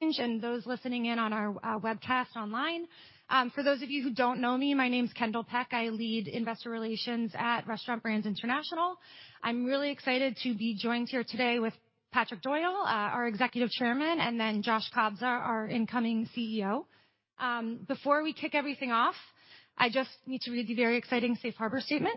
Those listening in on our webcast online. For those of you who don't know me, my name's Kendall Peck. I lead Investor Relations at Restaurant Brands International. I'm really excited to be joined here today with Patrick Doyle, our Executive Chairman, and then Josh Kobza, our incoming CEO. Before we kick everything off, I just need to read the very exciting safe harbor statement.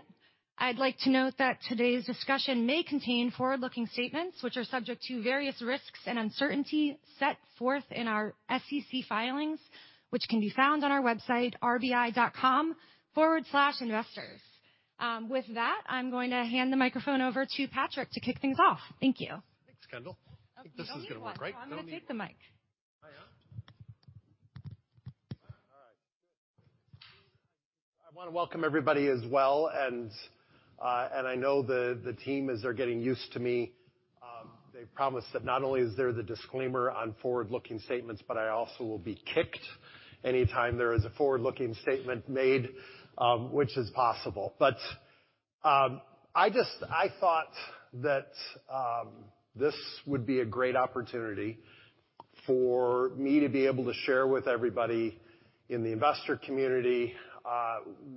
I'd like to note that today's discussion may contain forward-looking statements, which are subject to various risks and uncertainty set forth in our SEC filings, which can be found on our website, rbi.com/investor. With that, I'm going to hand the microphone over to Patrick to kick things off. Thank you. Thanks, Kendall. Oh, you don't need one. I think this is gonna work, right? I don't need- Oh, I'm gonna take the mic. Yeah. All right. I wanna welcome everybody as well, and I know the team, as they're getting used to me, they promised that not only is there the disclaimer on forward-looking statements, but I also will be kicked any time there is a forward-looking statement made, which is possible. I thought that this would be a great opportunity for me to be able to share with everybody in the investor community,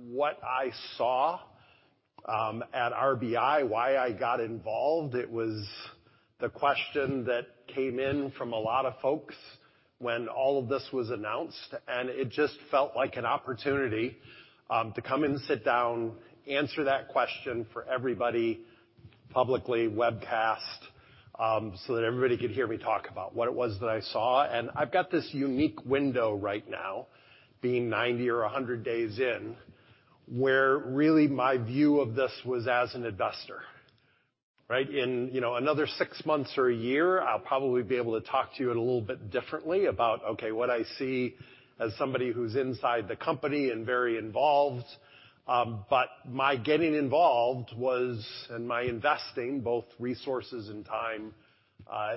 what I saw at RBI, why I got involved. It was the question that came in from a lot of folks when all of this was announced, and it just felt like an opportunity to come and sit down, answer that question for everybody, publicly webcast, so that everybody could hear me talk about what it was that I saw. I've got this unique window right now, being 90 or 100 days in, where really my view of this was as an investor, right? In, you know, another six months or a year, I'll probably be able to talk to you a little bit differently about, okay, what I see as somebody who's inside the company and very involved. But my getting involved was and my investing, both resources and time,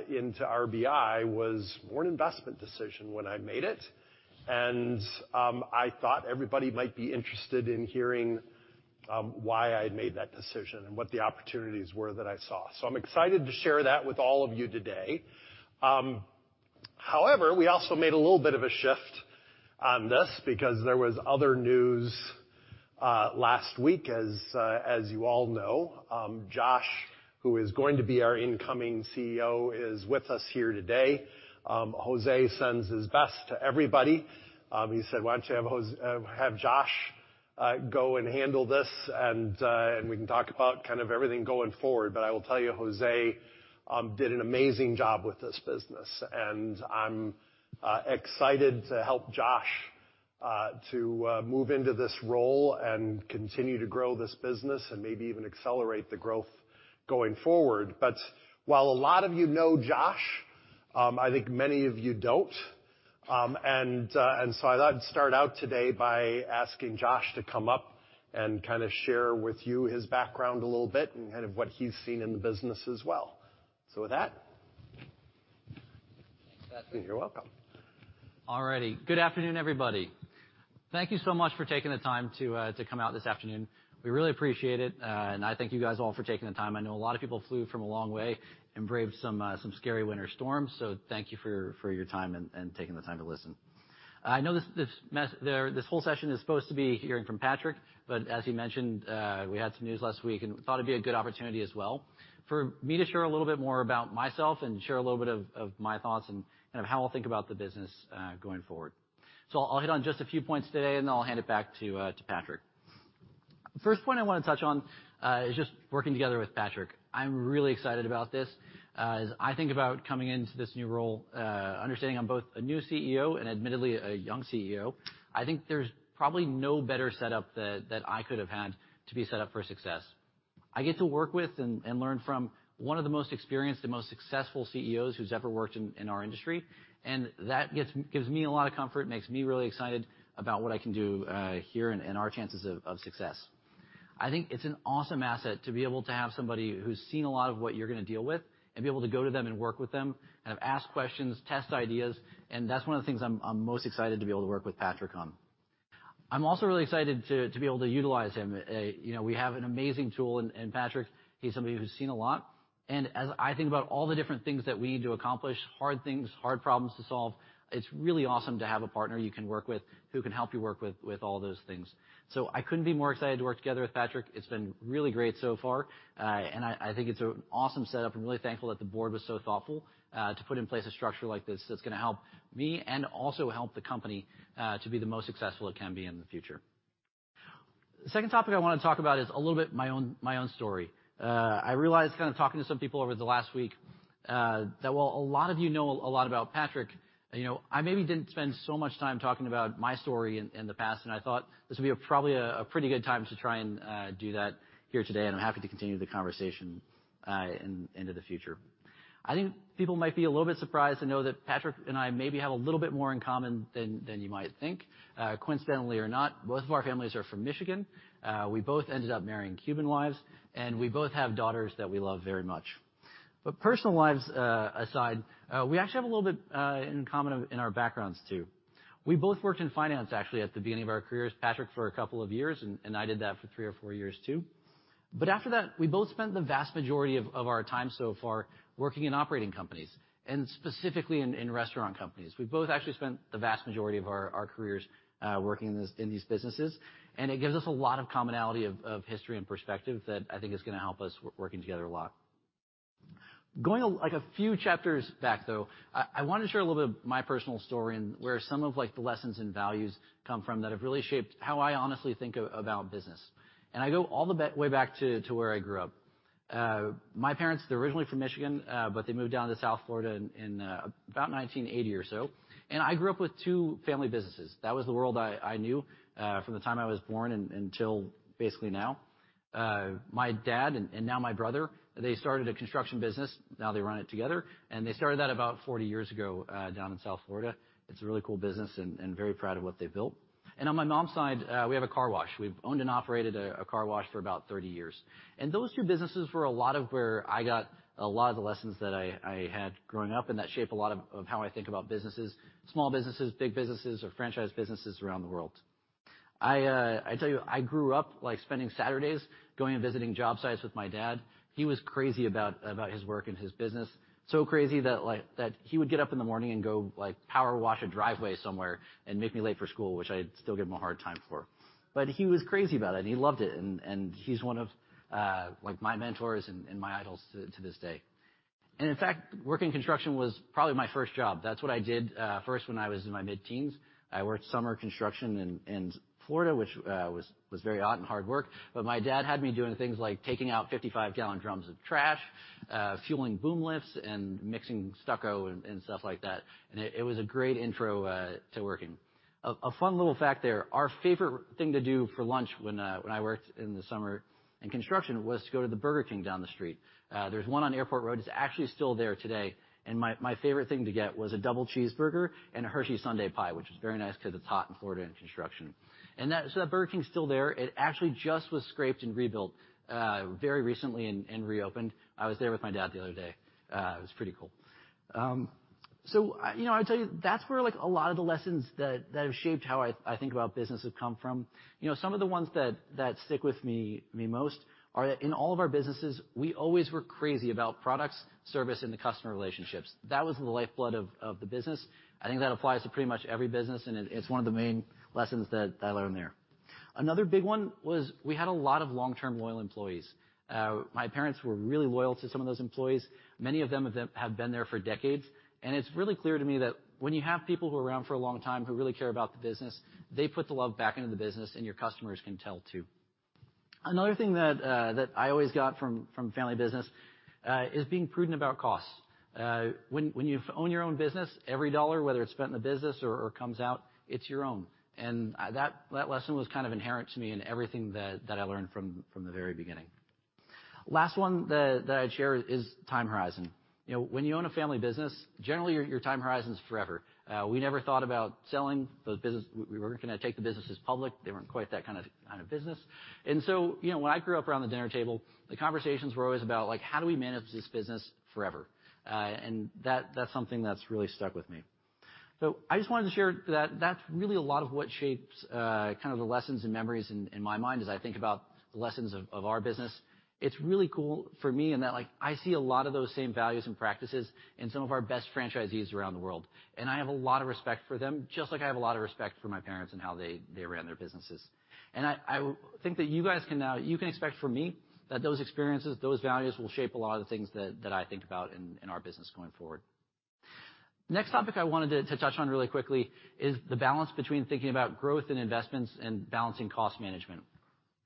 into RBI was more an investment decision when I made it. I thought everybody might be interested in hearing why I had made that decision and what the opportunities were that I saw. I'm excited to share that with all of you today. However, we also made a little bit of a shift on this because there was other news last week. As you all know, Josh, who is going to be our incoming CEO, is with us here today. José sends his best to everybody. He said, "Why don't you have Josh go and handle this, and we can talk about kind of everything going forward." I will tell you, José did an amazing job with this business, and I'm excited to help Josh to move into this role and continue to grow this business and maybe even accelerate the growth going forward. While a lot of you know Josh, I think many of you don't. I thought I'd start out today by asking Josh to come up and kinda share with you his background a little bit and kind of what he's seen in the business as well. With that. Thanks, Patrick. You're welcome. All righty. Good afternoon, everybody. Thank you so much for taking the time to come out this afternoon. We really appreciate it, and I thank you guys all for taking the time. I know a lot of people flew from a long way and braved some scary winter storms, so thank you for your time and taking the time to listen. I know this whole session is supposed to be hearing from Patrick, but as he mentioned, we had some news last week and thought it'd be a good opportunity as well for me to share a little bit more about myself and share a little bit of my thoughts and kind of how I'll think about the business going forward. I'll hit on just a few points today, and then I'll hand it back to Patrick. The first point I want to touch on is just working together with Patrick. I'm really excited about this. As I think about coming into this new role, understanding I'm both a new CEO and admittedly a young CEO, I think there's probably no better setup that I could have had to be set up for success. I get to work with and learn from one of the most experienced and most successful CEOs who's ever worked in our industry, and that gives me a lot of comfort, makes me really excited about what I can do here and our chances of success. I think it's an awesome asset to be able to have somebody who's seen a lot of what you're gonna deal with and be able to go to them and work with them and ask questions, test ideas. That's one of the things I'm most excited to be able to work with Patrick on. I'm also really excited to be able to utilize him. You know, we have an amazing tool in Patrick. He's somebody who's seen a lot. As I think about all the different things that we need to accomplish, hard things, hard problems to solve, it's really awesome to have a partner you can work with who can help you work with all those things. I couldn't be more excited to work together with Patrick. It's been really great so far, and I think it's an awesome setup. I'm really thankful that the board was so thoughtful, to put in place a structure like this that's gonna help me and also help the company, to be the most successful it can be in the future. The second topic I wanna talk about is a little bit my own, my own story. I realized kinda talking to some people over the last week, that while a lot of you know a lot about Patrick, you know, I maybe didn't spend so much time talking about my story in the past, and I thought this would be a probably a pretty good time to try and do that here today, and I'm happy to continue the conversation, in, into the future. I think people might be a little bit surprised to know that Patrick and I maybe have a little bit more in common than you might think. Coincidentally or not, both of our families are from Michigan. We both ended up marrying Cuban wives, and we both have daughters that we love very much. Personal lives aside, we actually have a little bit in common in our backgrounds too. We both worked in finance actually at the beginning of our careers, Patrick for a couple of years, and I did that for three or four years too. After that, we both spent the vast majority of our time so far working in operating companies and specifically in restaurant companies. We both actually spent the vast majority of our careers working in these businesses, and it gives us a lot of commonality of history and perspective that I think is gonna help us working together a lot. Going like a few chapters back, though, I wanna share a little bit of my personal story and where some of like the lessons and values come from that have really shaped how I honestly think about business. I go all the way back to where I grew up. My parents, they're originally from Michigan, but they moved down to South Florida in about 1980 or so. I grew up with two family businesses. That was the world I knew from the time I was born until basically now. My dad and now my brother, they started a construction business, now they run it together, they started that about 40 years ago, down in South Florida. It's a really cool business and very proud of what they built. On my mom's side, we have a car wash. We've owned and operated a car wash for about 30 years. Those two businesses were a lot of where I got a lot of the lessons that I had growing up and that shape a lot of how I think about businesses, small businesses, big businesses, or franchise businesses around the world. I tell you, I grew up like spending Saturdays going and visiting job sites with my dad. He was crazy about his work and his business. So crazy that like... that he would get up in the morning and go, like, power wash a driveway somewhere and make me late for school, which I still give him a hard time for. He was crazy about it, and he loved it. He's one of, like my mentors and my idols to this day. In fact, working construction was probably my first job. That's what I did first when I was in my mid-teens. I worked summer construction in Florida, which was very hot and hard work. My dad had me doing things like taking out 55 gallon drums of trash, fueling boom lifts, and mixing stucco and stuff like that. It was a great intro to working. A fun little fact there. Our favorite thing to do for lunch when I worked in the summer in construction was to go to the Burger King down the street. There's one on Airport Road. It's actually still there today. My favorite thing to get was a double cheeseburger and a HERSHEY'S Sundae Pie, which was very nice because it's hot in Florida in construction. That Burger King's still there. It actually just was scraped and rebuilt very recently and reopened. I was there with my dad the other day. It was pretty cool. You know, I tell you, that's where like a lot of the lessons that have shaped how I think about business have come from. You know, some of the ones that stick with me most are in all of our businesses, we always were crazy about products, service, and the customer relationships. That was the lifeblood of the business. I think that applies to pretty much every business, and it's one of the main lessons that I learned there. Another big one was we had a lot of long-term loyal employees. My parents were really loyal to some of those employees. Many of them have been there for decades, and it's really clear to me that when you have people who are around for a long time who really care about the business, they put the love back into the business and your customers can tell, too. Another thing that I always got from family business is being prudent about costs. When you own your own business, every dollar, whether it's spent in the business or comes out, it's your own. That lesson was kind of inherent to me in everything that I learned from the very beginning. Last one that I'd share is time horizon. You know, when you own a family business, generally, your time horizon is forever. We never thought about selling the business. We weren't gonna take the businesses public. They weren't quite that kinda business. You know, when I grew up around the dinner table, the conversations were always about, like, how do we manage this business forever? That's something that's really stuck with me. I just wanted to share that that's really a lot of what shapes, kind of the lessons and memories in my mind as I think about the lessons of our business. It's really cool for me in that, like, I see a lot of those same values and practices in some of our best franchisees around the world. I have a lot of respect for them, just like I have a lot of respect for my parents and how they ran their businesses. I think that you guys can expect from me that those experiences, those values will shape a lot of the things that I think about in our business going forward. Next topic I wanted to touch on really quickly is the balance between thinking about growth and investments and balancing cost management.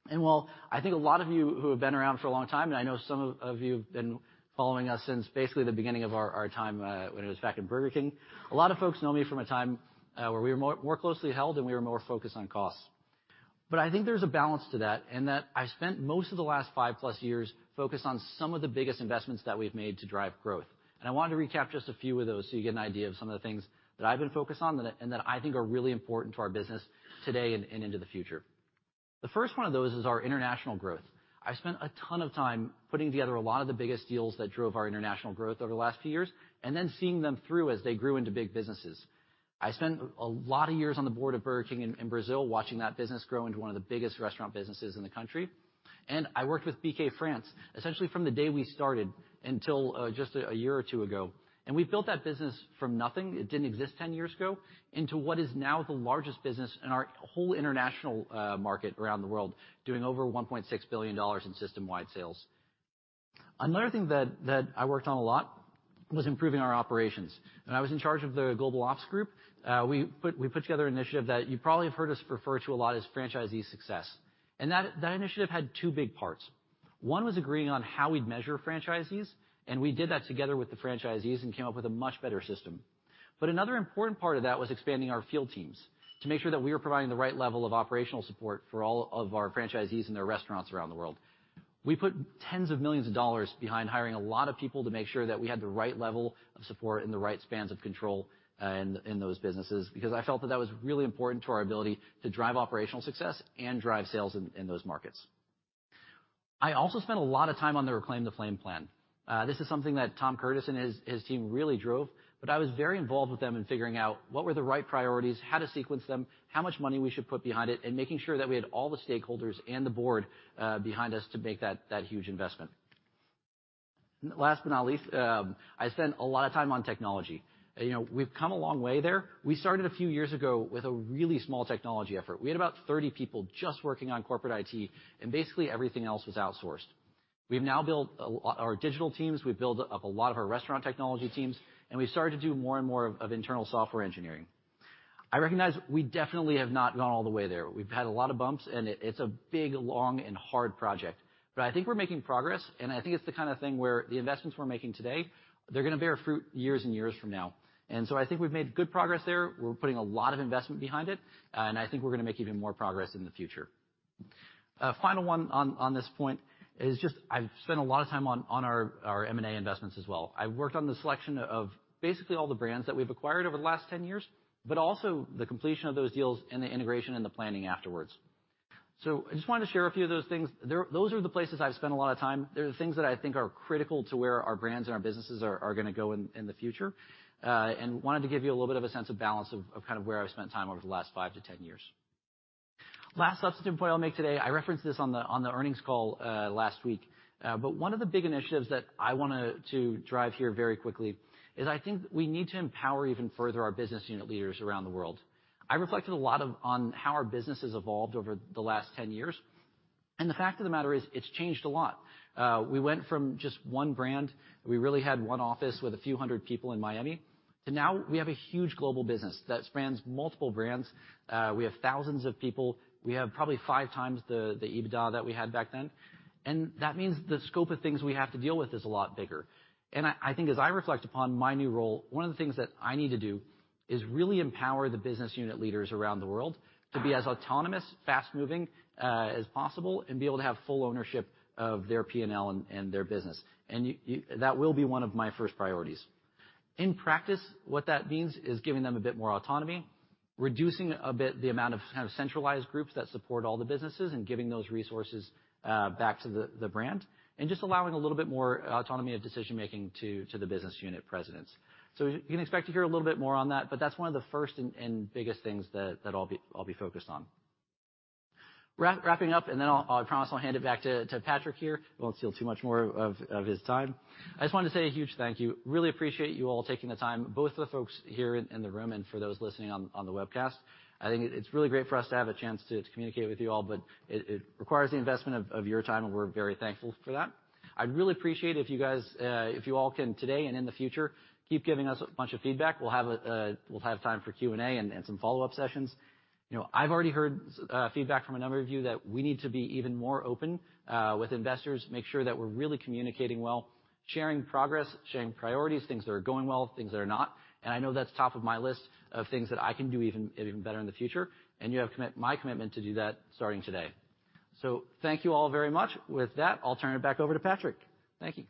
While I think a lot of you who have been around for a long time, and I know some of you have been following us since basically the beginning of our time, when it was back in Burger King, a lot of folks know me from a time where we were more closely held and we were more focused on costs. I think there's a balance to that in that I spent most of the last 5+ years focused on some of the biggest investments that we've made to drive growth. I wanted to recap just a few of those so you get an idea of some of the things that I've been focused on and that I think are really important to our business today and into the future. The first one of those is our international growth. I spent a ton of time putting together a lot of the biggest deals that drove our international growth over the last few years and then seeing them through as they grew into big businesses. I spent a lot of years on the board of Burger King in Brazil, watching that business grow into one of the biggest restaurant businesses in the country. I worked with BK France essentially from the day we started until just a year or two ago. We built that business from nothing, it didn't exist 10 years ago, into what is now the largest business in our whole international market around the world, doing over $1.6 billion in system-wide sales. Another thing that I worked on a lot was improving our operations. When I was in charge of the global ops group, we put together an initiative that you probably have heard us refer to a lot as Franchisee Success. That, that initiative had two big parts. One was agreeing on how we'd measure franchisees, and we did that together with the franchisees and came up with a much better system. Another important part of that was expanding our field teams to make sure that we were providing the right level of operational support for all of our franchisees and their restaurants around the world. We put tens of millions of dollars behind hiring a lot of people to make sure that we had the right level of support and the right spans of control, in those businesses, because I felt that that was really important to our ability to drive operational success and drive sales in those markets. I also spent a lot of time on the Reclaim the Flame plan. This is something that Tom Curtis and his team really drove, but I was very involved with them in figuring out what were the right priorities, how to sequence them, how much money we should put behind it, and making sure that we had all the stakeholders and the board behind us to make that huge investment. Last but not least, I spent a lot of time on technology. You know, we've come a long way there. We started a few years ago with a really small technology effort. We had about 30 people just working on corporate IT. Basically everything else was outsourced. We've now built our digital teams, we've built up a lot of our restaurant technology teams, and we've started to do more and more internal software engineering. I recognize we definitely have not gone all the way there. We've had a lot of bumps, and it's a big, long, and hard project. I think we're making progress, I think it's the kind of thing where the investments we're making today, they're gonna bear fruit years and years from now. I think we've made good progress there. We're putting a lot of investment behind it, I think we're gonna make even more progress in the future. A final one on this point is just I've spent a lot of time on our M&A investments as well. I worked on the selection of basically all the brands that we've acquired over the last 10 years, also the completion of those deals and the integration and the planning afterwards. I just wanted to share a few of those things. Those are the places I've spent a lot of time. They're the things that I think are critical to where our brands and our businesses are gonna go in the future, and wanted to give you a little bit of a sense of balance of kind of where I've spent time over the last 5 to 10 years. Last substantive point I'll make today, I referenced this on the earnings call last week, but one of the big initiatives that I want to drive here very quickly is I think we need to empower even further our business unit leaders around the world. I reflected a lot on how our business has evolved over the last 10 years, and the fact of the matter is it's changed a lot. We went from just one brand. We really had one office with a few hundred people in Miami. Now we have a huge global business that spans multiple brands. We have thousands of people. We have probably 5x the EBITDA that we had back then. That means the scope of things we have to deal with is a lot bigger. I think as I reflect upon my new role, one of the things that I need to do is really empower the business unit leaders around the world to be as autonomous, fast-moving as possible and be able to have full ownership of their P&L and their business. That will be one of my first priorities. In practice, what that means is giving them a bit more autonomy, reducing a bit the amount of kind of centralized groups that support all the businesses and giving those resources back to the brand and just allowing a little bit more autonomy of decision-making to the business unit presidents. You can expect to hear a little bit more on that, but that's one of the first and biggest things that I'll be focused on. Wrapping up, then I'll, I promise I'll hand it back to Patrick here. I won't steal too much more of his time. I just wanted to say a huge thank you. Really appreciate you all taking the time, both the folks here in the room and for those listening on the webcast. I think it's really great for us to have a chance to communicate with you all, but it requires the investment of your time, and we're very thankful for that. I'd really appreciate if you guys, if you all can today and in the future keep giving us a bunch of feedback. We'll have time for Q&A and some follow-up sessions. You know, I've already heard feedback from a number of you that we need to be even more open with investors, make sure that we're really communicating well, sharing progress, sharing priorities, things that are going well, things that are not. I know that's top of my list of things that I can do even better in the future. You have my commitment to do that starting today. Thank you all very much. With that, I'll turn it back over to Patrick. Thank you.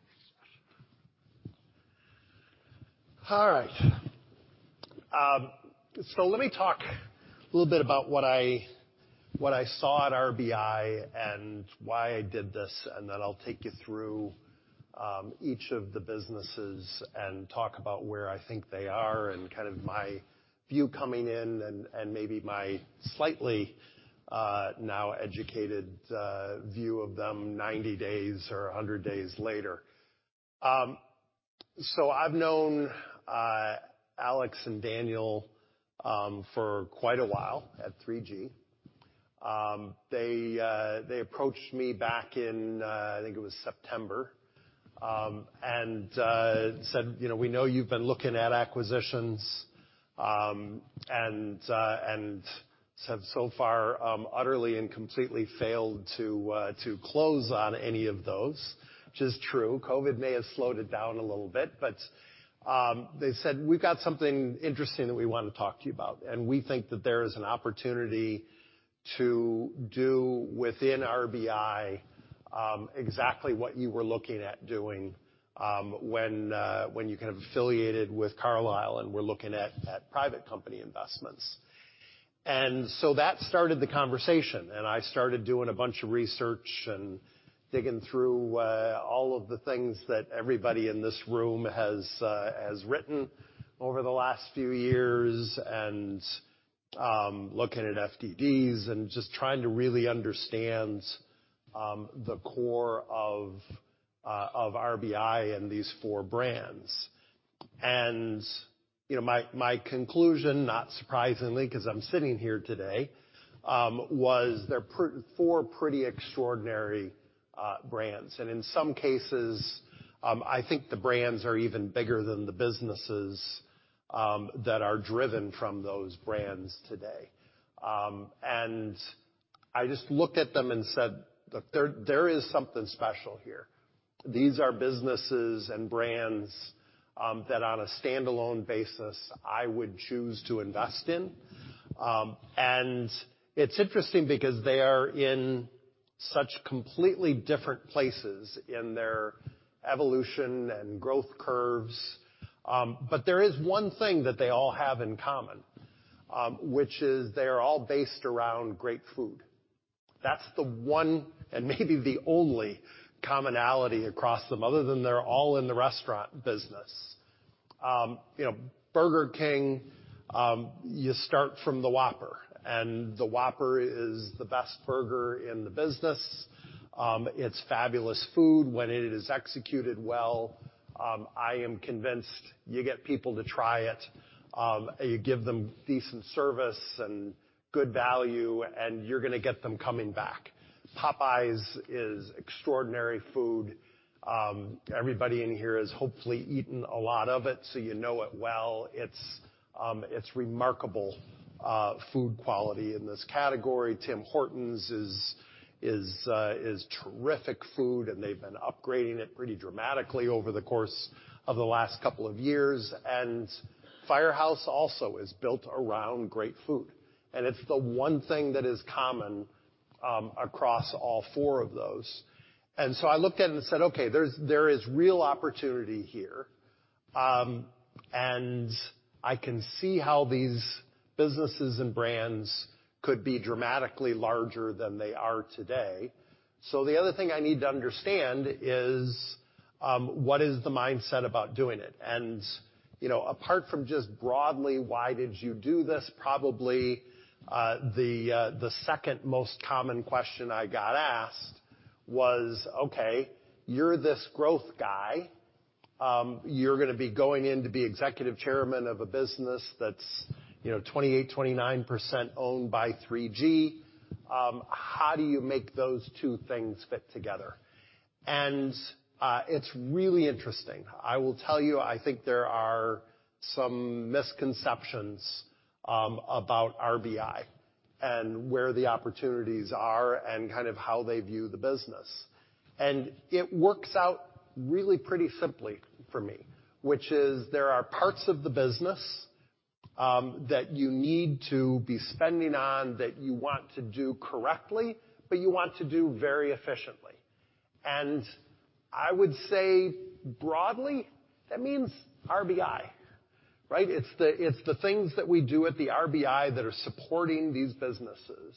All right. Let me talk a little bit about what I, what I saw at RBI and why I did this, and then I'll take you through each of the businesses and talk about where I think they are and kind of my view coming in and maybe my slightly now educated view of them 90 days or 100 days later. I've known Alex and Daniel for quite a while at 3G. They, they approached me back in I think it was September, and said, you know, "We know you've been looking at acquisitions, and have so far, utterly and completely failed to close on any of those," which is true. COVID may have slowed it down a little bit, but they said, "We've got something interesting that we wanna talk to you about, and we think that there is an opportunity to do within RBI, exactly what you were looking at doing, when you kind of affiliated with Carlyle and were looking at private company investments." That started the conversation, and I started doing a bunch of research and digging through all of the things that everybody in this room has written over the last few years and, looking at FDDs and just trying to really understand the core of RBI and these four brands. You know, my conclusion, not surprisingly, 'cause I'm sitting here today, was they're four pretty extraordinary brands. In some cases, I think the brands are even bigger than the businesses that are driven from those brands today. I just looked at them and said that there is something special here. These are businesses and brands that on a standalone basis I would choose to invest in. It's interesting because they are in such completely different places in their evolution and growth curves, but there is one thing that they all have in common. Which is they're all based around great food. That's the one and maybe the only commonality across them other than they're all in the restaurant business. You know, Burger King, you start from the Whopper, and the Whopper is the best burger in the business. It's fabulous food when it is executed well. I am convinced you get people to try it, you give them decent service and good value, and you're gonna get them coming back. Popeyes is extraordinary food. Everybody in here has hopefully eaten a lot of it, so you know it well. It's, it's remarkable food quality in this category. Tim Hortons is terrific food, and they've been upgrading it pretty dramatically over the course of the last couple of years. Firehouse also is built around great food. It's the one thing that is common across all four of those. I looked at it and said, "Okay, there is real opportunity here, and I can see how these businesses and brands could be dramatically larger than they are today." The other thing I need to understand is what is the mindset about doing it? You know, apart from just broadly why did you do this? Probably, the second most common question I got asked was, okay, you're this growth guy. You're gonna be going in to be Executive Chairman of a business that's, you know, 28%-29% owned by 3G. How do you make those two things fit together? It's really interesting. I will tell you, I think there are some misconceptions about RBI and where the opportunities are and kind of how they view the business. It works out really pretty simply for me, which is there are parts of the business, that you need to be spending on, that you want to do correctly, but you want to do very efficiently. I would say broadly, that means RBI, right? It's the things that we do at the RBI that are supporting these businesses,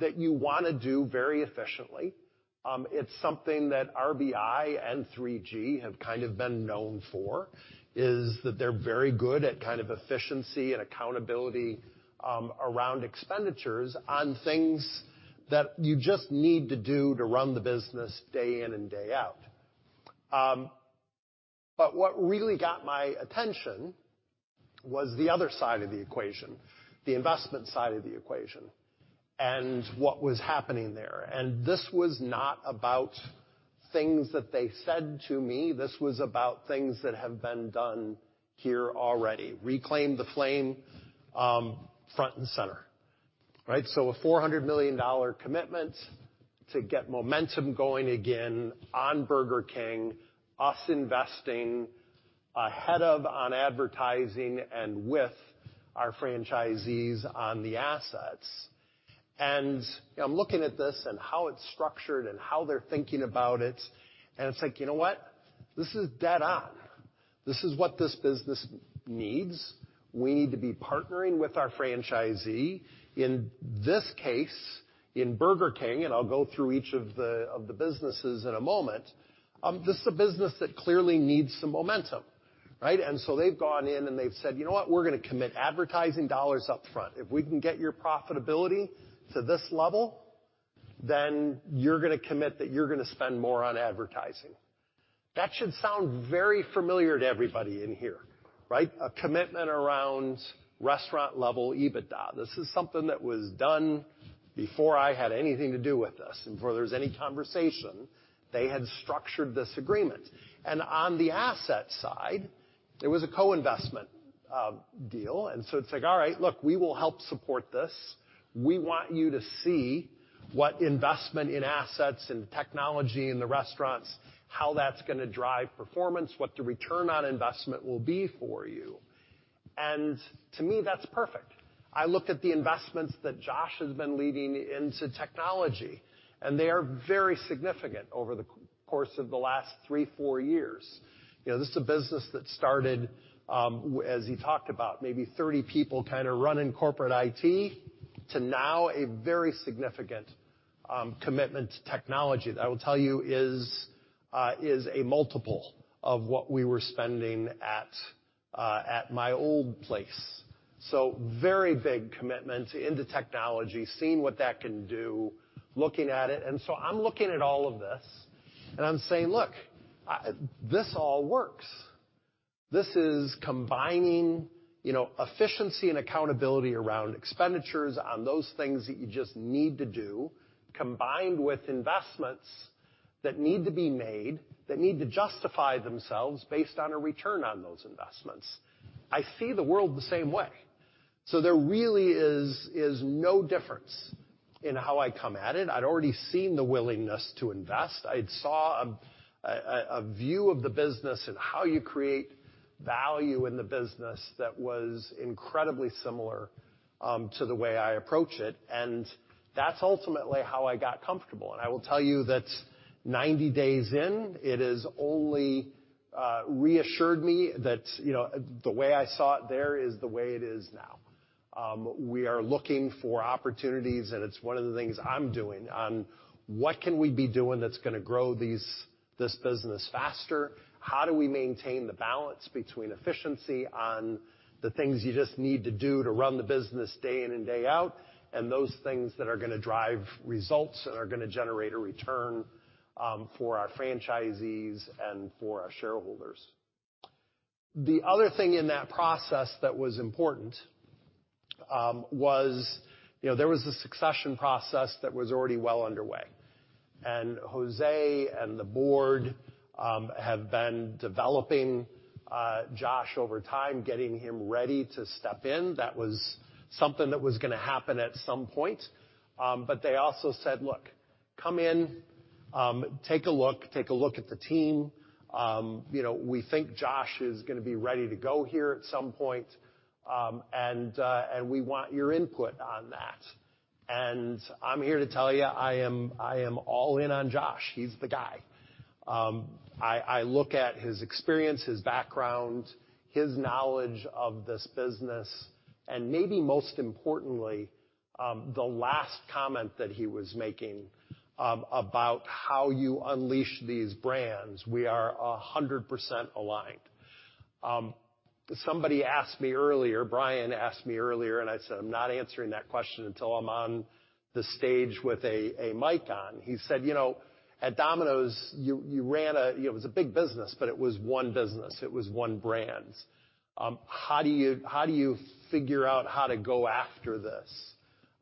that you want to do very efficiently. It's something that RBI and 3G have kind of been known for, is that they're very good at kind of efficiency and accountability, around expenditures on things that you just need to do to run the business day in and day out. But what really got my attention was the other side of the equation, the investment side of the equation, and what was happening there. This was not about things that they said to me. This was about things that have been done here already. Reclaim the Flame, front and center, right? A $400 million commitment to get momentum going again on Burger King U.S., investing ahead of on advertising and with our franchisees on the assets. I'm looking at this and how it's structured and how they're thinking about it, and it's like, you know what? This is dead on. This is what this business needs. We need to be partnering with our franchisee. In this case, in Burger King, and I'll go through each of the businesses in a moment. This is a business that clearly needs some momentum, right? They've gone in and they've said, "You know what? We're gonna commit advertising dollars up front. If we can get your profitability to this level, then you're gonna commit that you're gonna spend more on advertising." That should sound very familiar to everybody in here, right? A commitment around restaurant-level EBITDA. This is something that was done before I had anything to do with this. Before there was any conversation, they had structured this agreement. On the asset side, it was a co-investment deal. It's like, all right, look, we will help support this. We want you to see what investment in assets and technology in the restaurants, how that's gonna drive performance, what the return on investment will be for you. To me, that's perfect. I look at the investments that Josh has been leading into technology, and they are very significant over the course of the last three, four years. You know, this is a business that started, as he talked about, maybe 30 people kind of running corporate IT to now a very significant commitment to technology. That I will tell you is a multiple of what we were spending at my old place. Very big commitment into technology, seeing what that can do, looking at it. I'm looking at all of this, and I'm saying, "Look, this all works." This is combining, you know, efficiency and accountability around expenditures on those things that you just need to do, combined with investments that need to be made, that need to justify themselves based on a return on those investments. I see the world the same way. There really is no difference in how I come at it. I'd already seen the willingness to invest. I'd saw a view of the business and how you create value in the business that was incredibly similar. To the way I approach it, and that's ultimately how I got comfortable. I will tell you that 90 days in, it has only reassured me that, you know, the way I saw it there is the way it is now. We are looking for opportunities, and it's one of the things I'm doing on what can we be doing that's gonna grow this business faster? How do we maintain the balance between efficiency on the things you just need to do to run the business day in and day out, and those things that are gonna drive results and are gonna generate a return for our franchisees and for our shareholders. The other thing in that process that was important was, you know, there was a succession process that was already well underway. José and the board have been developing Josh over time, getting him ready to step in. That was something that was gonna happen at some point. They also said, "Look, come in, take a look at the team. You know, we think Josh is gonna be ready to go here at some point, and we want your input on that." I'm here to tell you, I am all in on Josh. He's the guy. I look at his experience, his background, his knowledge of this business, and maybe most importantly, the last comment that he was making, about how you unleash these brands. We are 100% aligned. Somebody asked me earlier, Brian asked me earlier, I said, "I'm not answering that question until I'm on the stage with a mic on." He said, "You know, at Domino's, you ran a, it was a big business, but it was one business. It was one brand. How do you, how do you figure out how to go after this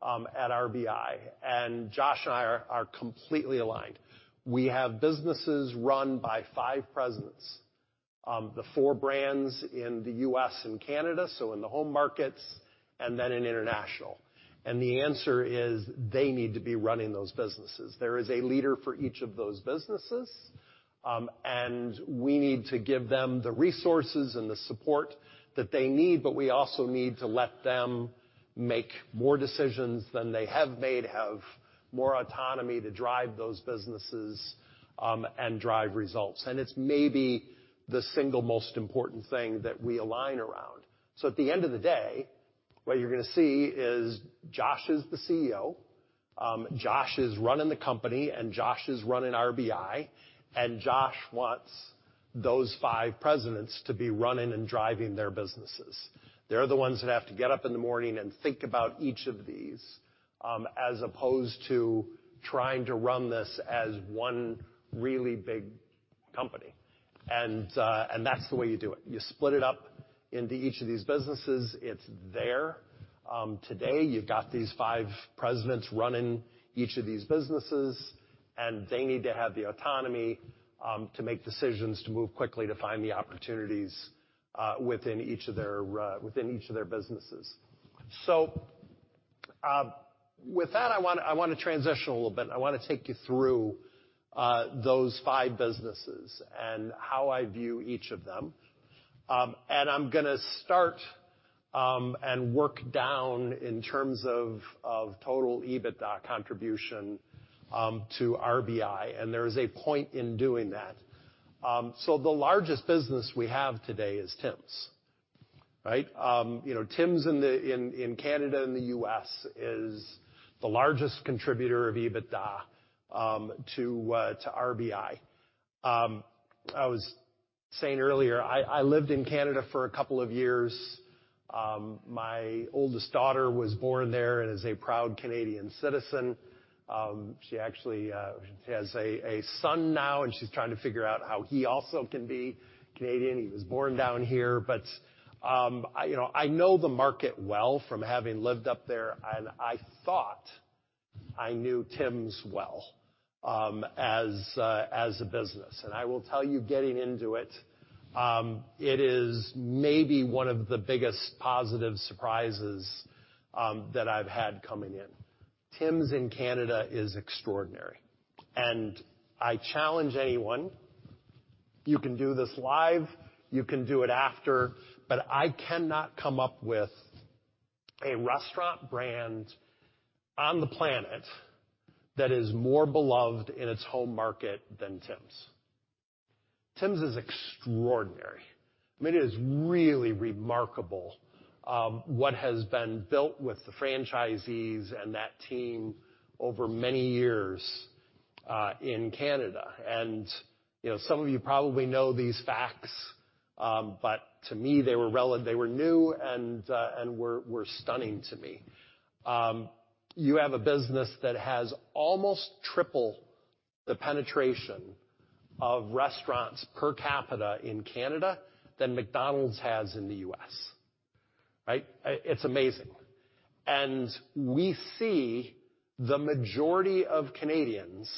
at RBI?" Josh and I are completely aligned. We have businesses run by five presidents. The four brands in the U.S. and Canada, so in the home markets, and then in international. The answer is they need to be running those businesses. There is a leader for each of those businesses, and we need to give them the resources and the support that they need, but we also need to let them make more decisions than they have made, have more autonomy to drive those businesses, and drive results. It's maybe the single most important thing that we align around. At the end of the day, what you're gonna see is Josh is the CEO. Josh is running the company, and Josh is running RBI. Josh wants those five presidents to be running and driving their businesses. They're the ones that have to get up in the morning and think about each of these, as opposed to trying to run this as one really big company. That's the way you do it. You split it up into each of these businesses. It's there today. You've got these five presidents running each of these businesses, they need to have the autonomy to make decisions to move quickly to find the opportunities within each of their within each of their businesses. With that, I wanna transition a little bit. I wanna take you through those five businesses and how I view each of them. I'm gonna start and work down in terms of total EBITDA contribution to RBI, there is a point in doing that. The largest business we have today is Tims. Right? You know, Tims in Canada and the U.S. is the largest contributor of EBITDA to RBI. I was saying earlier, I lived in Canada for a couple of years. My oldest daughter was born there and is a proud Canadian citizen. She actually, she has a son now, and she's trying to figure out how he also can be Canadian. He was born down here. You know, I know the market well from having lived up there, and I thought I knew Tims well as a business. I will tell you, getting into it is maybe one of the biggest positive surprises that I've had coming in. Tims in Canada is extraordinary. I challenge anyone, you can do this live, you can do it after, but I cannot come up with a restaurant brand on the planet that is more beloved in its home market than Tims. Tims is extraordinary. I mean, it is really remarkable, what has been built with the franchisees and that team over many years in Canada. You know, some of you probably know these facts, but to me, they were new and were stunning to me. You have a business that has almost triple the penetration of restaurants per capita in Canada than McDonald's has in the U.S. Right? It's amazing. We see the majority of Canadians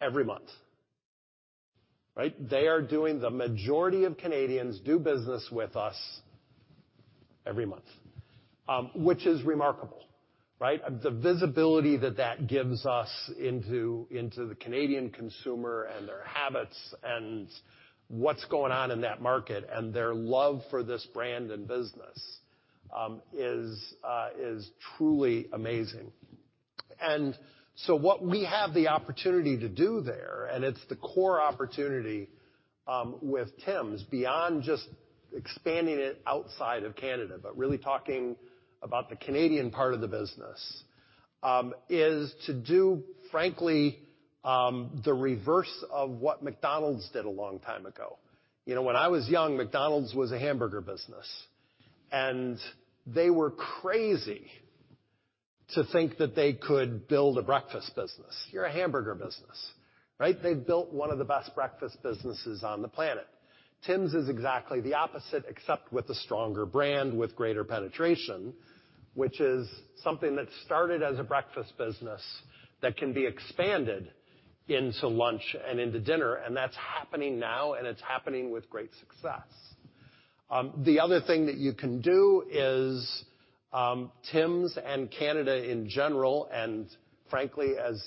every month. Right? The majority of Canadians do business with us every month, which is remarkable. Right? The visibility that gives us into the Canadian consumer and their habits and what's going on in that market, and their love for this brand and business, is truly amazing. What we have the opportunity to do there, and it's the core opportunity, with Tims, beyond just expanding it outside of Canada, but really talking about the Canadian part of the business, is to do, frankly, the reverse of what McDonald's did a long time ago. You know, when I was young, McDonald's was a hamburger business, and they were crazy to think that they could build a breakfast business. You're a hamburger business, right? They built one of the best breakfast businesses on the planet. Tims is exactly the opposite, except with a stronger brand, with greater penetration, which is something that started as a breakfast business that can be expanded into lunch and into dinner. That's happening now, and it's happening with great success. The other thing that you can do is, Tims and Canada in general, and frankly as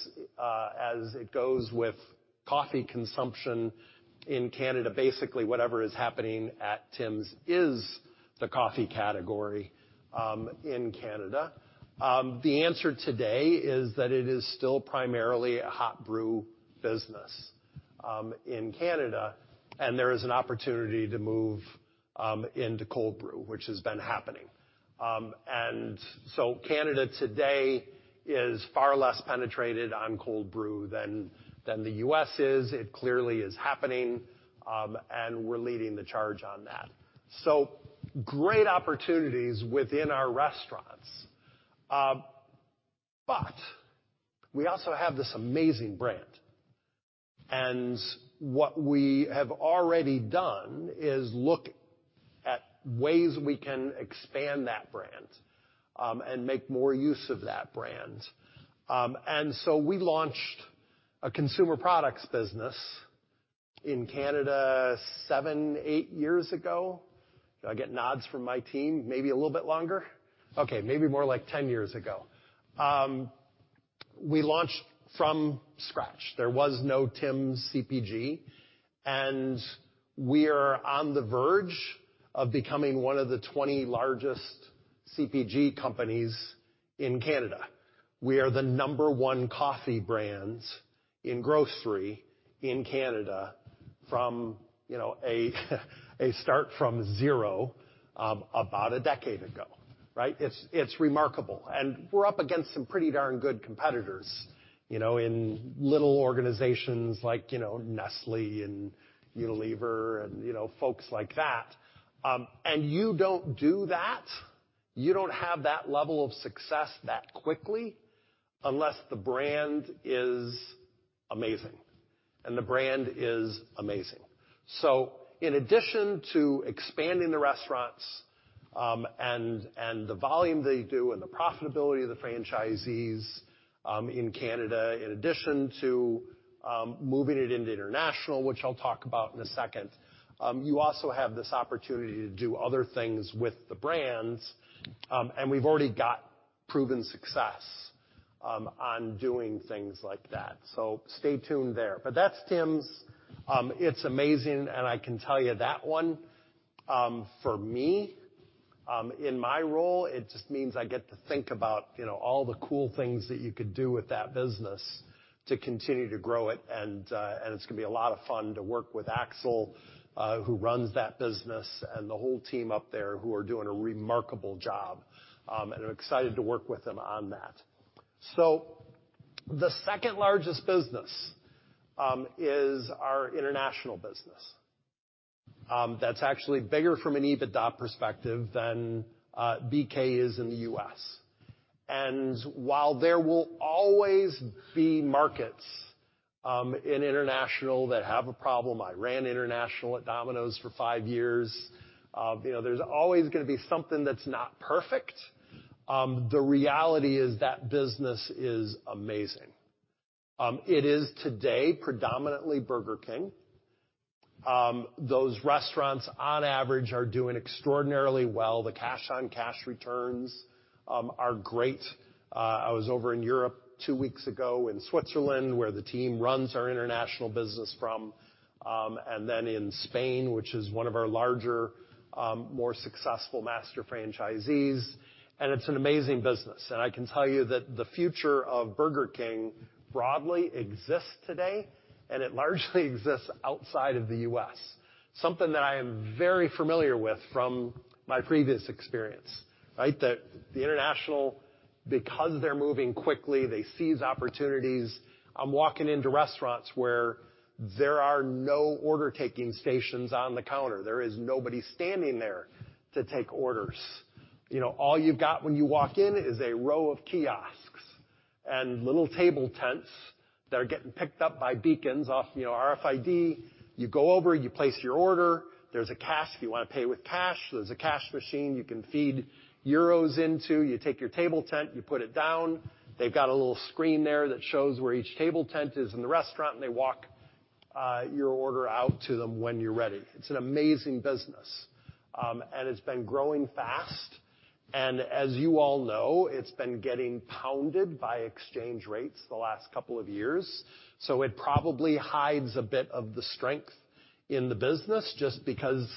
it goes with coffee consumption in Canada, basically, whatever is happening at Tims is the coffee category in Canada. The answer today is that it is still primarily a hot brew business in Canada, and there is an opportunity to move into cold brew, which has been happening. Canada today is far less penetrated on cold brew than the U.S. is. It clearly is happening, and we're leading the charge on that. Great opportunities within our restaurants. We also have this amazing brand. What we have already done is look at ways we can expand that brand, and make more use of that brand. We launched a consumer products business in Canada seven, eight years ago. Do I get nods from my team? Maybe a little bit longer. Okay, maybe more like ten years ago. We launched from scratch. There was no Tims CPG, we are on the verge of becoming one of the 20 largest CPG companies in Canada. We are the number one coffee brand in grocery in Canada from, you know, a start from zero, about a decade ago, right? It's remarkable. We're up against some pretty darn good competitors, you know, in little organizations like, you know, Nestlé and Unilever and, you know, folks like that. You don't do that, you don't have that level of success that quickly unless the brand is amazing. The brand is amazing. In addition to expanding the restaurants, and the volume they do and the profitability of the franchisees, in Canada, in addition to, moving it into international, which I'll talk about in a second, you also have this opportunity to do other things with the brands. We've already got proven success, on doing things like that. Stay tuned there. That's Tims. It's amazing, and I can tell you that one, for me, in my role, it just means I get to think about, you know, all the cool things that you could do with that business to continue to grow it. It's gonna be a lot of fun to work with Axel, who runs that business, and the whole team up there who are doing a remarkable job. I'm excited to work with them on that. The second largest business is our international business. That's actually bigger from an EBITDA perspective than BK is in the U.S. While there will always be markets in international that have a problem, I ran international at Domino's for five years. You know, there's always gonna be something that's not perfect. The reality is that business is amazing. It is today predominantly Burger King. Those restaurants on average are doing extraordinarily well. The cash on cash returns are great. I was over in Europe two weeks ago in Switzerland, where the team runs our international business from, and then in Spain, which is one of our larger, more successful master franchisees, and it's an amazing business. I can tell you that the future of Burger King broadly exists today, and it largely exists outside of the U.S. Something that I am very familiar with from my previous experience, right? The international, because they're moving quickly, they seize opportunities. I'm walking into restaurants where there are no order taking stations on the counter. There is nobody standing there to take orders. You know, all you've got when you walk in is a row of kiosks and little table tents that are getting picked up by beacons off, you know, RFID. You go over, you place your order. There's a cash if you want to pay with cash, there's a cash machine you can feed euros into. You take your table tent, you put it down. They've got a little screen there that shows where each table tent is in the restaurant, and they walk your order out to them when you're ready. It's an amazing business. And it's been growing fast, and as you all know, it's been getting pounded by exchange rates the last couple of years. It probably hides a bit of the strength in the business just because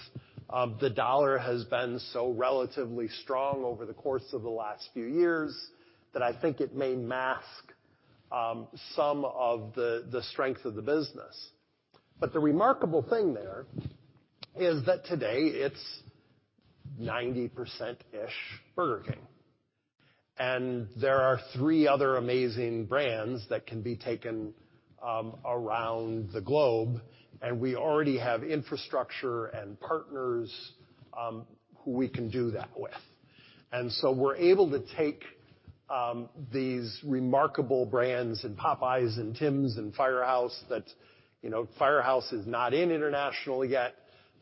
of the dollar has been so relatively strong over the course of the last few years that I think it may mask some of the strength of the business. The remarkable thing there is that today it's 90%-ish Burger King. There are three other amazing brands that can be taken around the globe. We already have infrastructure and partners who we can do that with. We're able to take, these remarkable brands and Popeyes and Tims and Firehouse that, you know, Firehouse is not in international yet.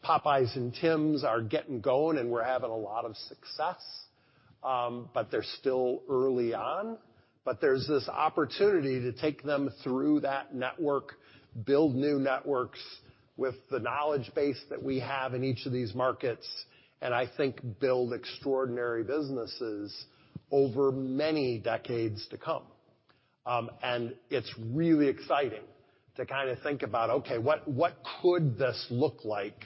Popeyes and Tims are getting going, and we're having a lot of success, but they're still early on. There's this opportunity to take them through that network, build new networks with the knowledge base that we have in each of these markets, and I think build extraordinary businesses over many decades to come. It's really exciting to kind of think about, okay, what could this look like,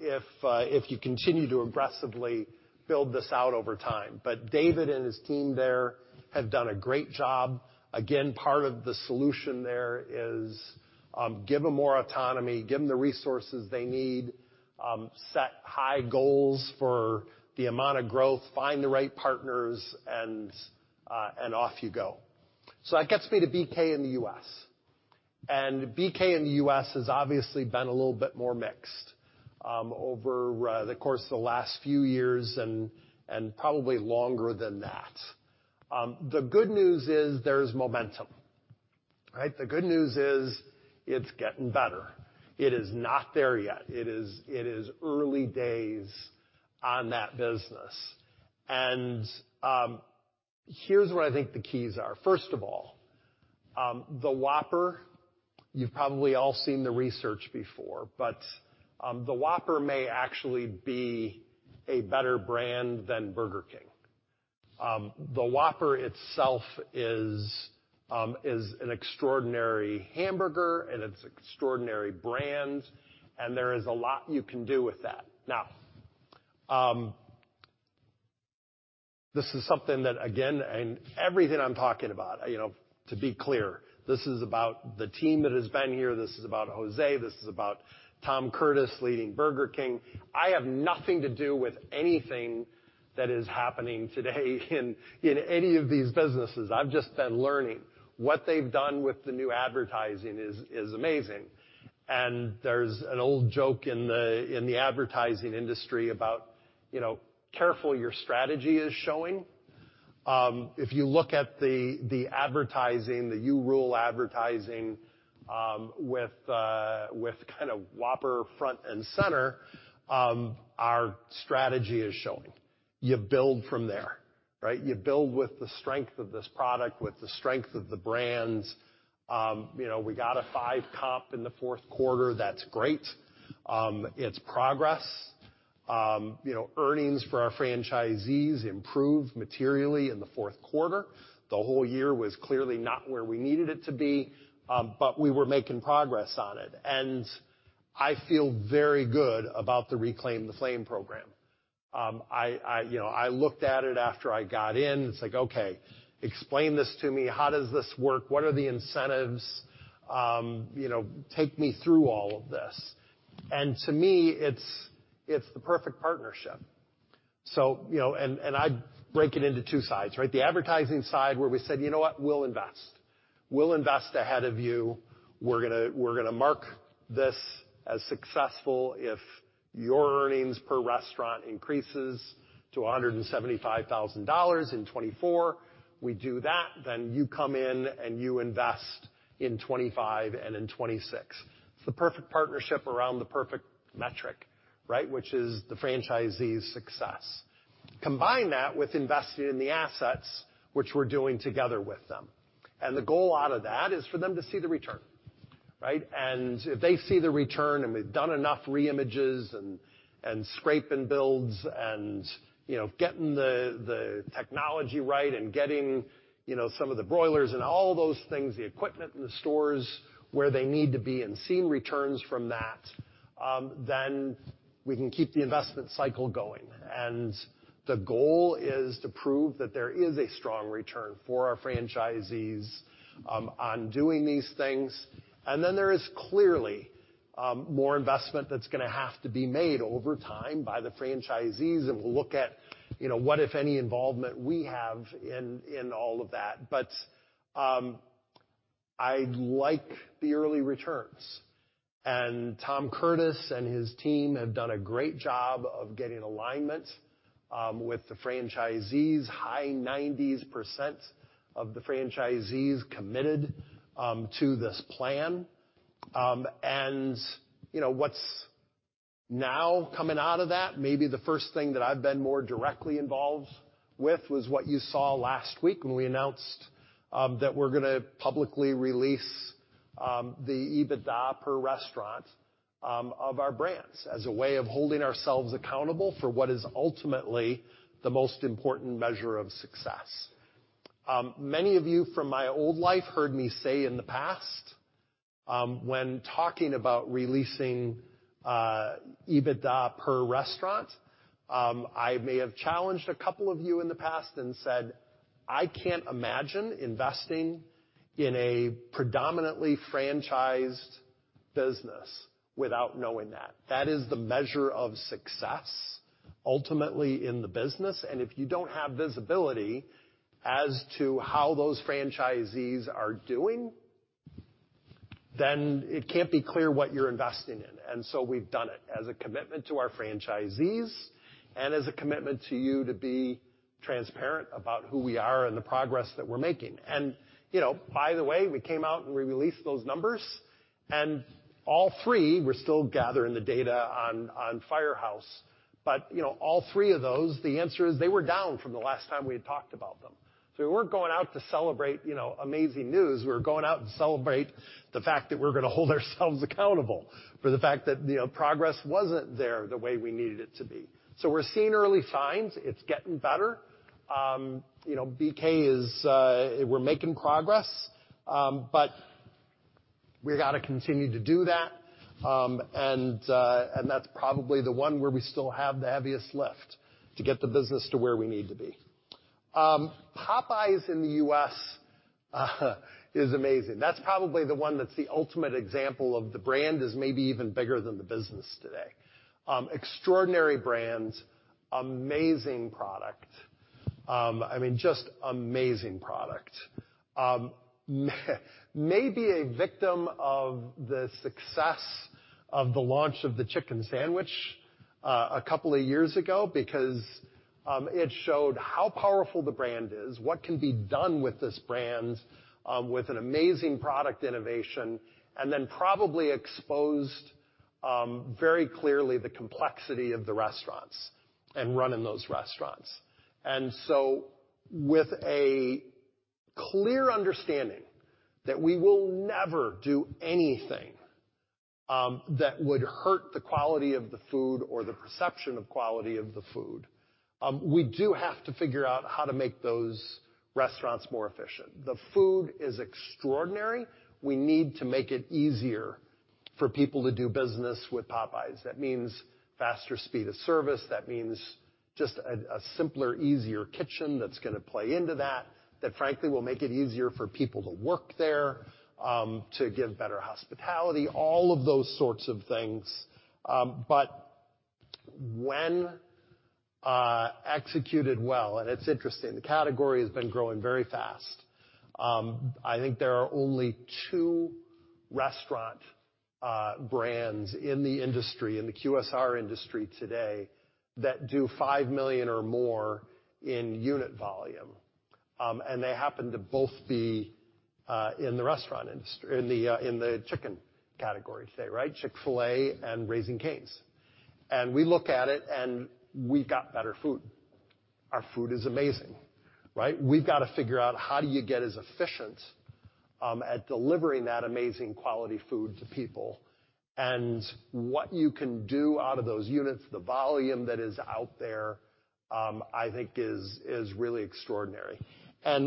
if you continue to aggressively build this out over time. David and his team there have done a great job. Again, part of the solution there is, give them more autonomy, give them the resources they need, set high goals for the amount of growth, find the right partners, off you go. That gets me to BK in the U.S. BK in the U.S. has obviously been a little bit more mixed over the course of the last few years and probably longer than that. The good news is there's momentum, right? The good news is it's getting better. It is not there yet. It is early days on that business. Here's where I think the keys are. First of all, the Whopper, you've probably all seen the research before, but the Whopper may actually be a better brand than Burger King. The Whopper itself is an extraordinary hamburger, and it's extraordinary brand, and there is a lot you can do with that. Now, this is something that again, and everything I'm talking about, you know, to be clear, this is about the team that has been here. This is about José. This is about Tom Curtis leading Burger King. I have nothing to do with anything that is happening today in any of these businesses. I've just been learning. What they've done with the new advertising is amazing. There's an old joke in the advertising industry about, you know, careful your strategy is showing. If you look at the advertising, the You Rule advertising, with kind of Whopper front and center, our strategy is showing. You build from there, right? You build with the strength of this product, with the strength of the brands. You know, we got a five comp in the fourth quarter. That's great. It's progress. You know, earnings for our franchisees improved materially in the fourth quarter. The whole year was clearly not where we needed it to be, but we were making progress on it. I feel very good about the Reclaim the Flame program. I, you know, I looked at it after I got in. It's like, okay, explain this to me. How does this work? What are the incentives? You know, take me through all of this. To me, it's the perfect partnership. You know, and I break it into two sides, right? The advertising side where we said, you know what? We'll invest. We'll invest ahead of you. We're gonna mark this as successful if your earnings per restaurant increases to $175,000 in 2024. We do that, then you come in and you invest in 2025 and in 2026. It's the perfect partnership around the perfect metric, right? Which is the franchisee's success. Combine that with investing in the assets, which we're doing together with them. The goal out of that is for them to see the return, right? If they see the return, and we've done enough re-images and scrape and builds and, you know, getting the technology right and getting, you know, some of the broilers and all those things, the equipment in the stores where they need to be and seeing returns from that, then we can keep the investment cycle going. The goal is to prove that there is a strong return for our franchisees on doing these things. Then there is clearly, more investment that's gonna have to be made over time by the franchisees, and we'll look at, you know, what, if any involvement we have in all of that. I like the early returns. Tom Curtis and his team have done a great job of getting alignment with the franchisees. High 90% of the franchisees committed to this plan. You know, coming out of that, maybe the first thing that I've been more directly involved with was what you saw last week when we announced that we're gonna publicly release the EBITDA per restaurant of our brands as a way of holding ourselves accountable for what is ultimately the most important measure of success. Many of you from my old life heard me say in the past, when talking about releasing EBITDA per restaurant, I may have challenged a couple of you in the past and said, "I can't imagine investing in a predominantly franchised business without knowing that." That is the measure of success ultimately in the business, and if you don't have visibility as to how those franchisees are doing, then it can't be clear what you're investing in. We've done it as a commitment to our franchisees and as a commitment to you to be transparent about who we are and the progress that we're making. You know, by the way, we came out and we released those numbers, and all three, we're still gathering the data on Firehouse. You know, all three of those, the answer is they were down from the last time we had talked about them. We weren't going out to celebrate, you know, amazing news. We were going out and celebrate the fact that we're gonna hold ourselves accountable for the fact that, you know, progress wasn't there the way we needed it to be. We're seeing early signs. It's getting better. You know, BK is, we're making progress, but we gotta continue to do that. That's probably the one where we still have the heaviest lift to get the business to where we need to be. Popeyes in the U.S. is amazing. That's probably the one that's the ultimate example of the brand is maybe even bigger than the business today. Extraordinary brands, amazing product. I mean, just amazing product. Maybe a victim of the success of the launch of the chicken sandwich a couple of years ago because it showed how powerful the brand is, what can be done with this brand with an amazing product innovation, and then probably exposed very clearly the complexity of the restaurants and running those restaurants. With a clear understanding that we will never do anything that would hurt the quality of the food or the perception of quality of the food, we do have to figure out how to make those restaurants more efficient. The food is extraordinary. We need to make it easier for people to do business with Popeyes. That means faster speed of service. That means just a simpler, easier kitchen that's gonna play into that frankly will make it easier for people to work there, to give better hospitality, all of those sorts of things. When executed well, and it's interesting, the category has been growing very fast. I think there are only two restaurant brands in the industry, in the QSR industry today that do $5 million or more in unit volume. They happen to both be in the restaurant industry in the chicken category today, right? Chick-fil-A and Raising Cane's. We look at it, and we got better food. Our food is amazing, right? We've got to figure out how do you get as efficient at delivering that amazing quality food to people, and what you can do out of those units, the volume that is out there, I think is really extraordinary.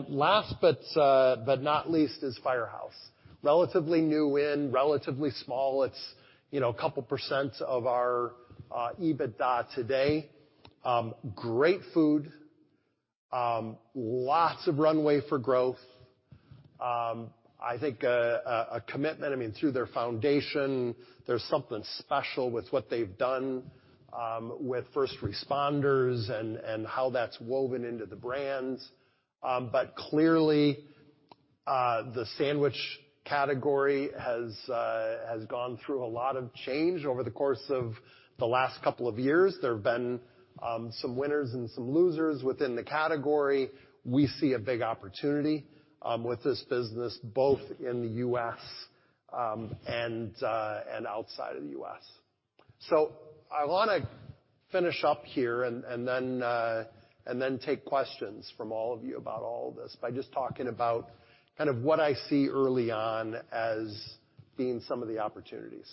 Last but not least is Firehouse. Relatively new in, relatively small. It's, you know, a couple percents of our EBITDA today. Great food. Lots of runway for growth. I think a commitment, I mean, through their foundation, there's something special with what they've done with first responders and how that's woven into the brands. Clearly, the sandwich category has gone through a lot of change over the course of the last couple of years. There have been some winners and some losers within the category. We see a big opportunity with this business both in the U.S. and outside of the U.S. I wanna finish up here and then take questions from all of you about all this by just talking about kind of what I see early on as being some of the opportunities.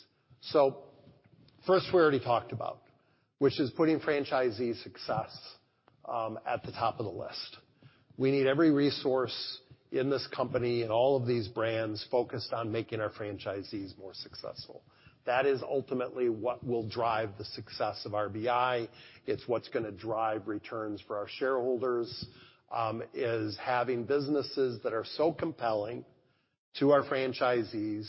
First, we already talked about, which is putting franchisee success at the top of the list. We need every resource in this company and all of these brands focused on making our franchisees more successful. That is ultimately what will drive the success of RBI. It's what's gonna drive returns for our shareholders, is having businesses that are so compelling to our franchisees,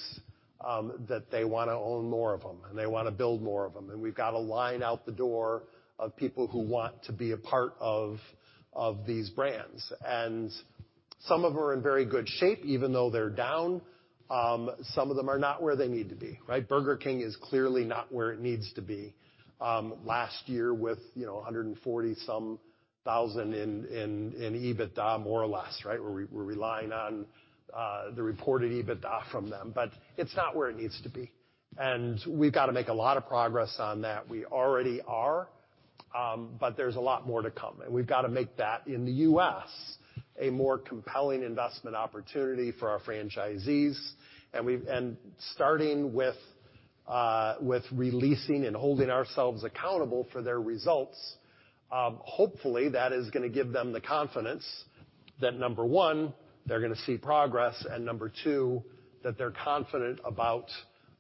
that they wanna own more of them, and they wanna build more of them. We've got a line out the door of people who want to be a part of these brands. Some of them are in very good shape, even though they're down. Some of them are not where they need to be, right? Burger King is clearly not where it needs to be. Last year with, you know, $140 some thousand in EBITDA more or less, right? We're relying on the reported EBITDA from them, but it's not where it needs to be. We've got to make a lot of progress on that. We already are. There's a lot more to come, and we've got to make that in the U.S. a more compelling investment opportunity for our franchisees. Starting with releasing and holding ourselves accountable for their results, hopefully that is going to give them the confidence that, number one, they're going to see progress. Number two, that they're confident about,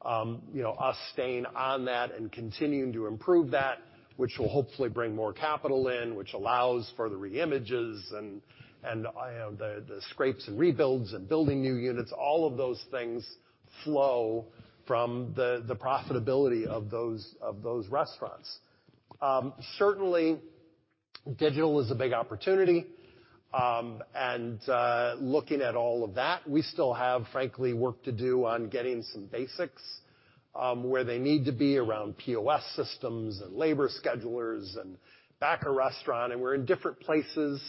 you know, us staying on that and continuing to improve that, which will hopefully bring more capital in, which allows for the re-images and, you know, the scrapes and rebuilds and building new units. All of those things flow from the profitability of those restaurants. Certainly digital is a big opportunity. Looking at all of that, we still have, frankly, work to do on getting some basics where they need to be around POS systems and labor schedulers and back of restaurant, and we're in different places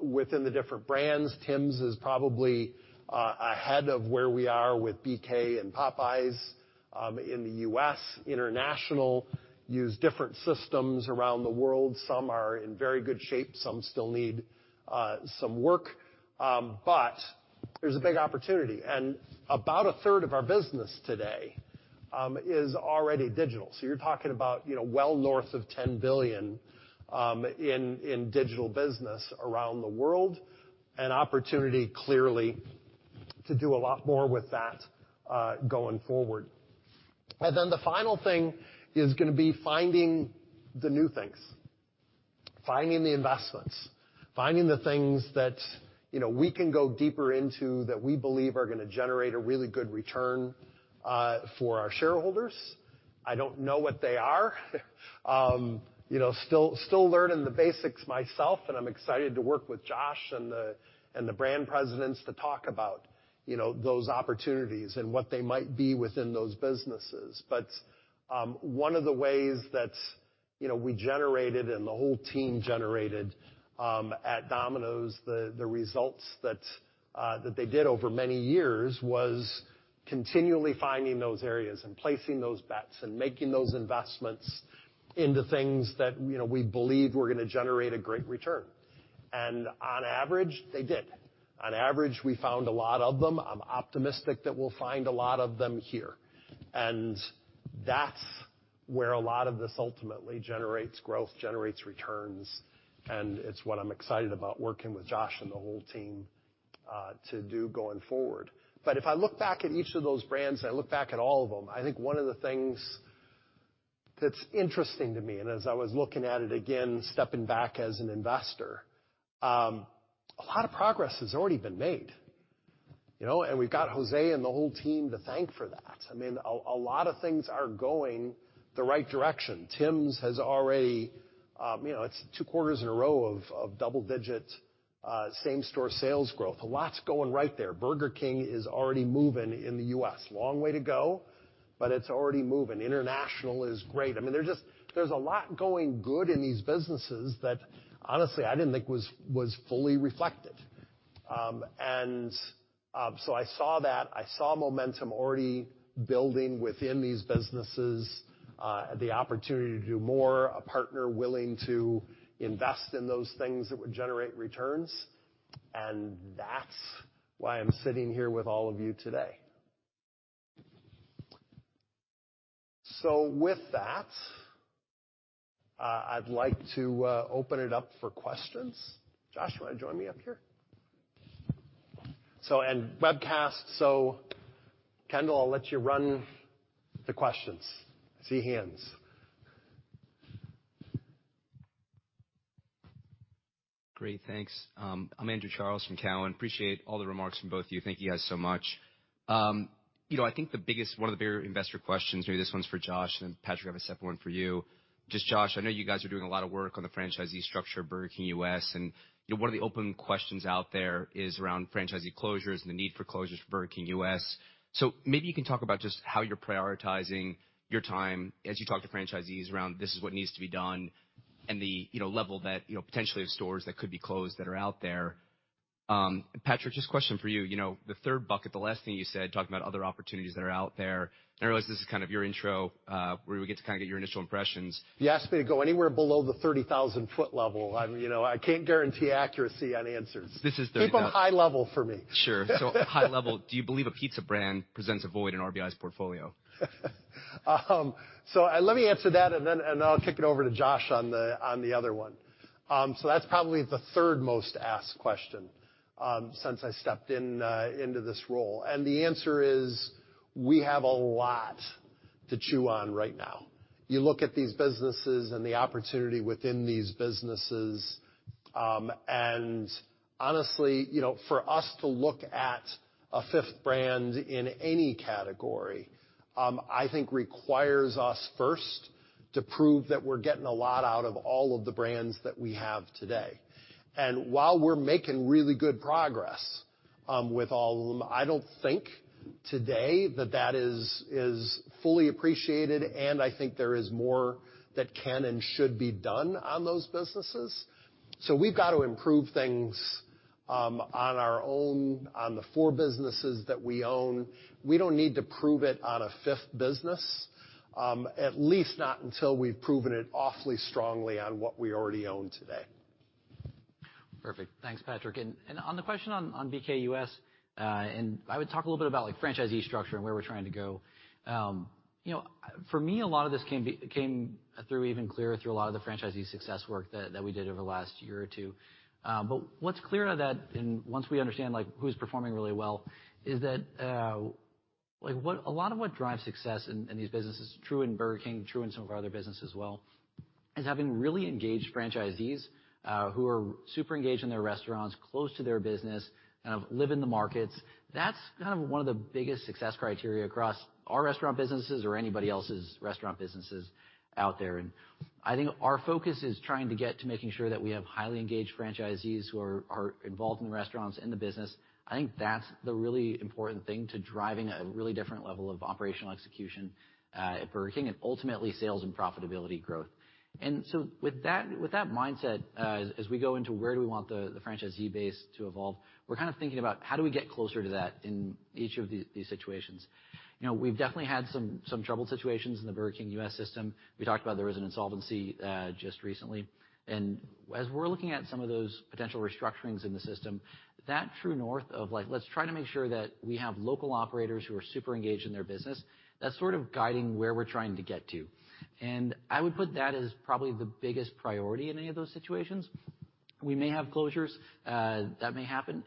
within the different brands. Tims is probably ahead of where we are with BK and Popeyes in the U.S. International use different systems around the world. Some are in very good shape. Some still need some work. There's a big opportunity. About a third of our business today is already digital. You're talking about, you know, well north of $10 billion in digital business around the world. An opportunity, clearly, to do a lot more with that going forward. The final thing is gonna be finding the new things, finding the investments, finding the things that, you know, we can go deeper into that we believe are gonna generate a really good return for our shareholders. I don't know what they are. You know, still learning the basics myself, and I'm excited to work with Josh and the brand presidents to talk about, you know, those opportunities and what they might be within those businesses. One of the ways that, you know, we generated and the whole team generated at Domino's, the results that they did over many years was continually finding those areas and placing those bets and making those investments into things that, you know, we believe were gonna generate a great return. On average, they did. On average, we found a lot of them. I'm optimistic that we'll find a lot of them here. That's where a lot of this ultimately generates growth, generates returns, and it's what I'm excited about working with Josh and the whole team to do going forward. If I look back at each of those brands, I look back at all of them, I think one of the things that's interesting to me, and as I was looking at it again, stepping back as an investor, a lot of progress has already been made, you know? We've got José and the whole team to thank for that. I mean, a lot of things are going the right direction. Tims has already, you know, it's two quarters in a row of double-digit same store sales growth. A lot's going right there. Burger King is already moving in the U.S. Long way to go, it's already moving. International is great. I mean, there's a lot going good in these businesses that, honestly, I didn't think was fully reflected. I saw that. I saw momentum already building within these businesses, the opportunity to do more, a partner willing to invest in those things that would generate returns, that's why I'm sitting here with all of you today. With that, I'd like to open it up for questions. Josh, you wanna join me up here? Webcast, Kendall, I'll let you run the questions. I see hands. Great. Thanks. I'm Andrew Charles from Cowen. Appreciate all the remarks from both of you. Thank you guys so much. You know, I think one of the bigger investor questions, maybe this one's for Josh, and Patrick, I have a separate one for you. Just Josh, I know you guys are doing a lot of work on the franchisee structure of Burger King U.S., and, you know, one of the open questions out there is around franchisee closures and the need for closures for Burger King U.S. Maybe you can talk about just how you're prioritizing your time as you talk to franchisees around this is what needs to be done and the, you know, level that, you know, potentially of stores that could be closed that are out there. Patrick, just a question for you. You know, the third bucket, the last thing you said, talking about other opportunities that are out there. I realize this is kind of your intro, where we get to kinda get your initial impressions. If you ask me to go anywhere below the 30,000-foot level, I'm, you know, I can't guarantee accuracy on answers. This is the, yeah. Keep them high level for me. Sure. High level, do you believe a pizza brand presents a void in RBI's portfolio? Let me answer that and then, and I'll kick it over to Josh on the, on the other one. That's probably the third-most asked question since I stepped in into this role. The answer is, we have a lot to chew on right now. You look at these businesses and the opportunity within these businesses, and honestly, you know, for us to look at a fifth brand in any category, I think requires us first to prove that we're getting a lot out of all of the brands that we have today. While we're making really good progress with all of them, I don't think today that that is fully appreciated, and I think there is more that can and should be done on those businesses. We've got to improve things, on our own, on the four businesses that we own, we don't need to prove it on a fifth business, at least not until we've proven it awfully strongly on what we already own today. Perfect. Thanks, Patrick. On the question on BKUS, and I would talk a little bit about like franchisee structure and where we're trying to go. You know, for me, a lot of this came through even clearer through a lot of the franchisee success work that we did over the last year or two. What's clear out of that and once we understand like who's performing really well, is that, like a lot of what drives success in these businesses, true in Burger King, true in some of our other business as well, is having really engaged franchisees, who are super engaged in their restaurants, close to their business, kind of live in the markets. That's kind of one of the biggest success criteria across our restaurant businesses or anybody else's restaurant businesses out there. I think our focus is trying to get to making sure that we have highly engaged franchisees who are involved in the restaurants, in the business. I think that's the really important thing to driving a really different level of operational execution at Burger King and ultimately sales and profitability growth. With that, with that mindset, as we go into where do we want the franchisee base to evolve, we're kind of thinking about how do we get closer to that in each of these situations. You know, we've definitely had some troubled situations in the Burger King U.S. system. We talked about there was an insolvency just recently. As we're looking at some of those potential restructurings in the system, that true north of, like, let's try to make sure that we have local operators who are super engaged in their business, that's sort of guiding where we're trying to get to. I would put that as probably the biggest priority in any of those situations. We may have closures that may happen,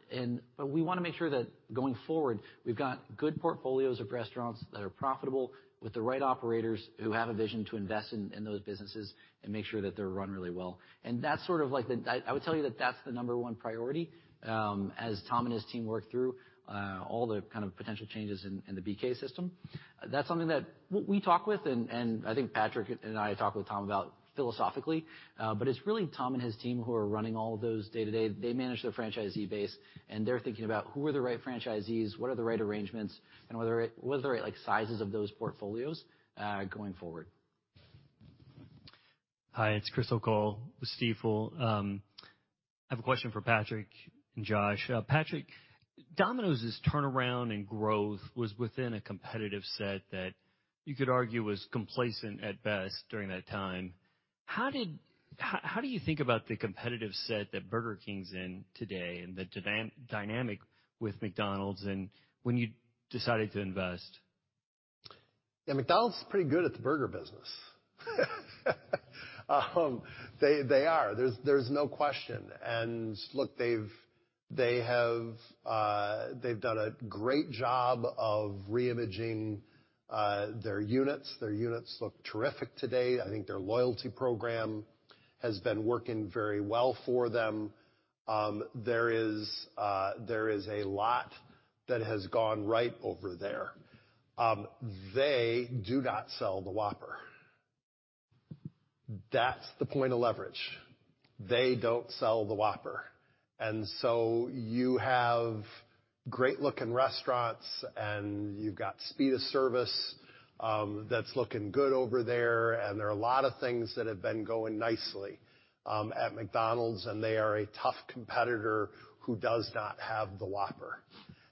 but we wanna make sure that going forward, we've got good portfolios of restaurants that are profitable with the right operators who have a vision to invest in those businesses and make sure that they're run really well. That's sort of like the I would tell you that that's the number one priority as Tom and his team work through all the kind of potential changes in the BK system. That's something that we talk with. I think Patrick and I talk with Tom about philosophically. It's really Tom and his team who are running all of those day-to-day. They manage their franchisee base. They're thinking about who are the right franchisees, what are the right arrangements, and what are the right, like sizes of those portfolios, going forward. Hi, it's Chris O'Cull with Stifel. I have a question for Patrick and Josh. Patrick, Domino's turnaround and growth was within a competitive set that you could argue was complacent at best during that time. How do you think about the competitive set that Burger King's in today and the dynamic with McDonald's and when you decided to invest? Yeah, McDonald's is pretty good at the burger business. They, they are. There's, there's no question. Look, they've, they have, they've done a great job of reimaging their units. Their units look terrific today. I think their loyalty program has been working very well for them. There is, there is a lot that has gone right over there. They do not sell the Whopper. That's the point of leverage. They don't sell the Whopper. So you have great-looking restaurants, and you've got speed of service, that's looking good over there. There are a lot of things that have been going nicely at McDonald's, and they are a tough competitor who does not have the Whopper.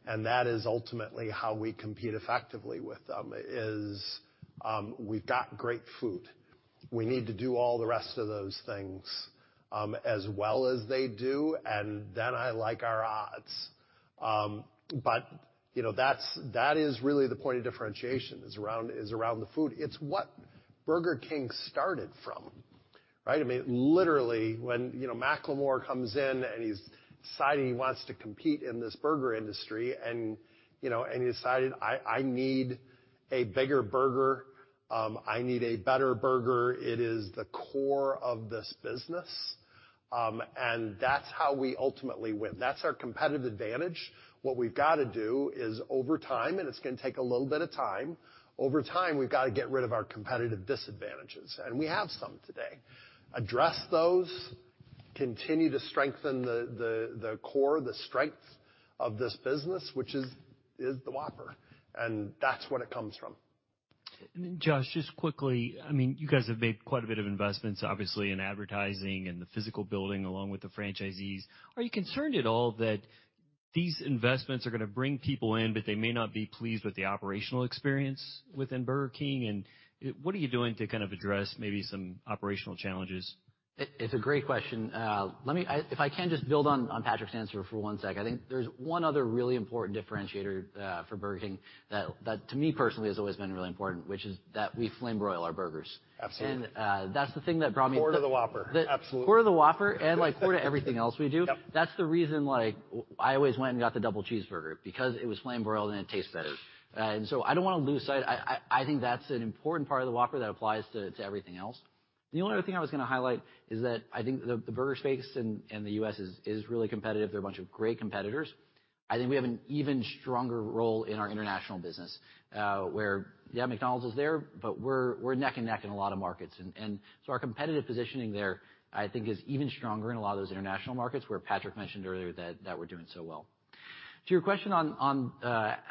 That is ultimately how we compete effectively with them, is, we've got great food. We need to do all the rest of those things, as well as they do, then I like our odds. You know, that is really the point of differentiation is around the food. It's what Burger King started from, right? I mean, literally, when, you know, McLamore comes in and he's deciding he wants to compete in this burger industry, you know, he decided, I need a bigger burger, I need a better burger, it is the core of this business, that's how we ultimately win. That's our competitive advantage. What we've gotta do is over time, and it's gonna take a little bit of time, over time, we've got to get rid of our competitive disadvantages, and we have some today. Address those, continue to strengthen the core, the strengths of this business, which is the Whopper, that's what it comes from. Josh, just quickly, I mean, you guys have made quite a bit of investments, obviously, in advertising and the physical building along with the franchisees. Are you concerned at all that these investments are gonna bring people in, but they may not be pleased with the operational experience within Burger King? What are you doing to kind of address maybe some operational challenges? It's a great question. Let me if I can just build on Patrick's answer for one sec. I think there's one other really important differentiator for Burger King that to me personally has always been really important, which is that we flame broil our burgers. Absolutely. That's the thing that brought me. Core to the Whopper. Absolutely. Core to the Whopper and like core to everything else we do. Yep. That's the reason, like, I always went and got the double cheeseburger because it was flame-broiled and it tastes better. I don't wanna lose sight. I think that's an important part of the Whopper that applies to everything else. The only other thing I was gonna highlight is that I think the burger space in the U.S. is really competitive. They're a bunch of great competitors. I think we have an even stronger role in our international business where, yeah, McDonald's is there, but we're neck and neck in a lot of markets. So our competitive positioning there, I think is even stronger in a lot of those international markets, where Patrick mentioned earlier that we're doing so well. To your question on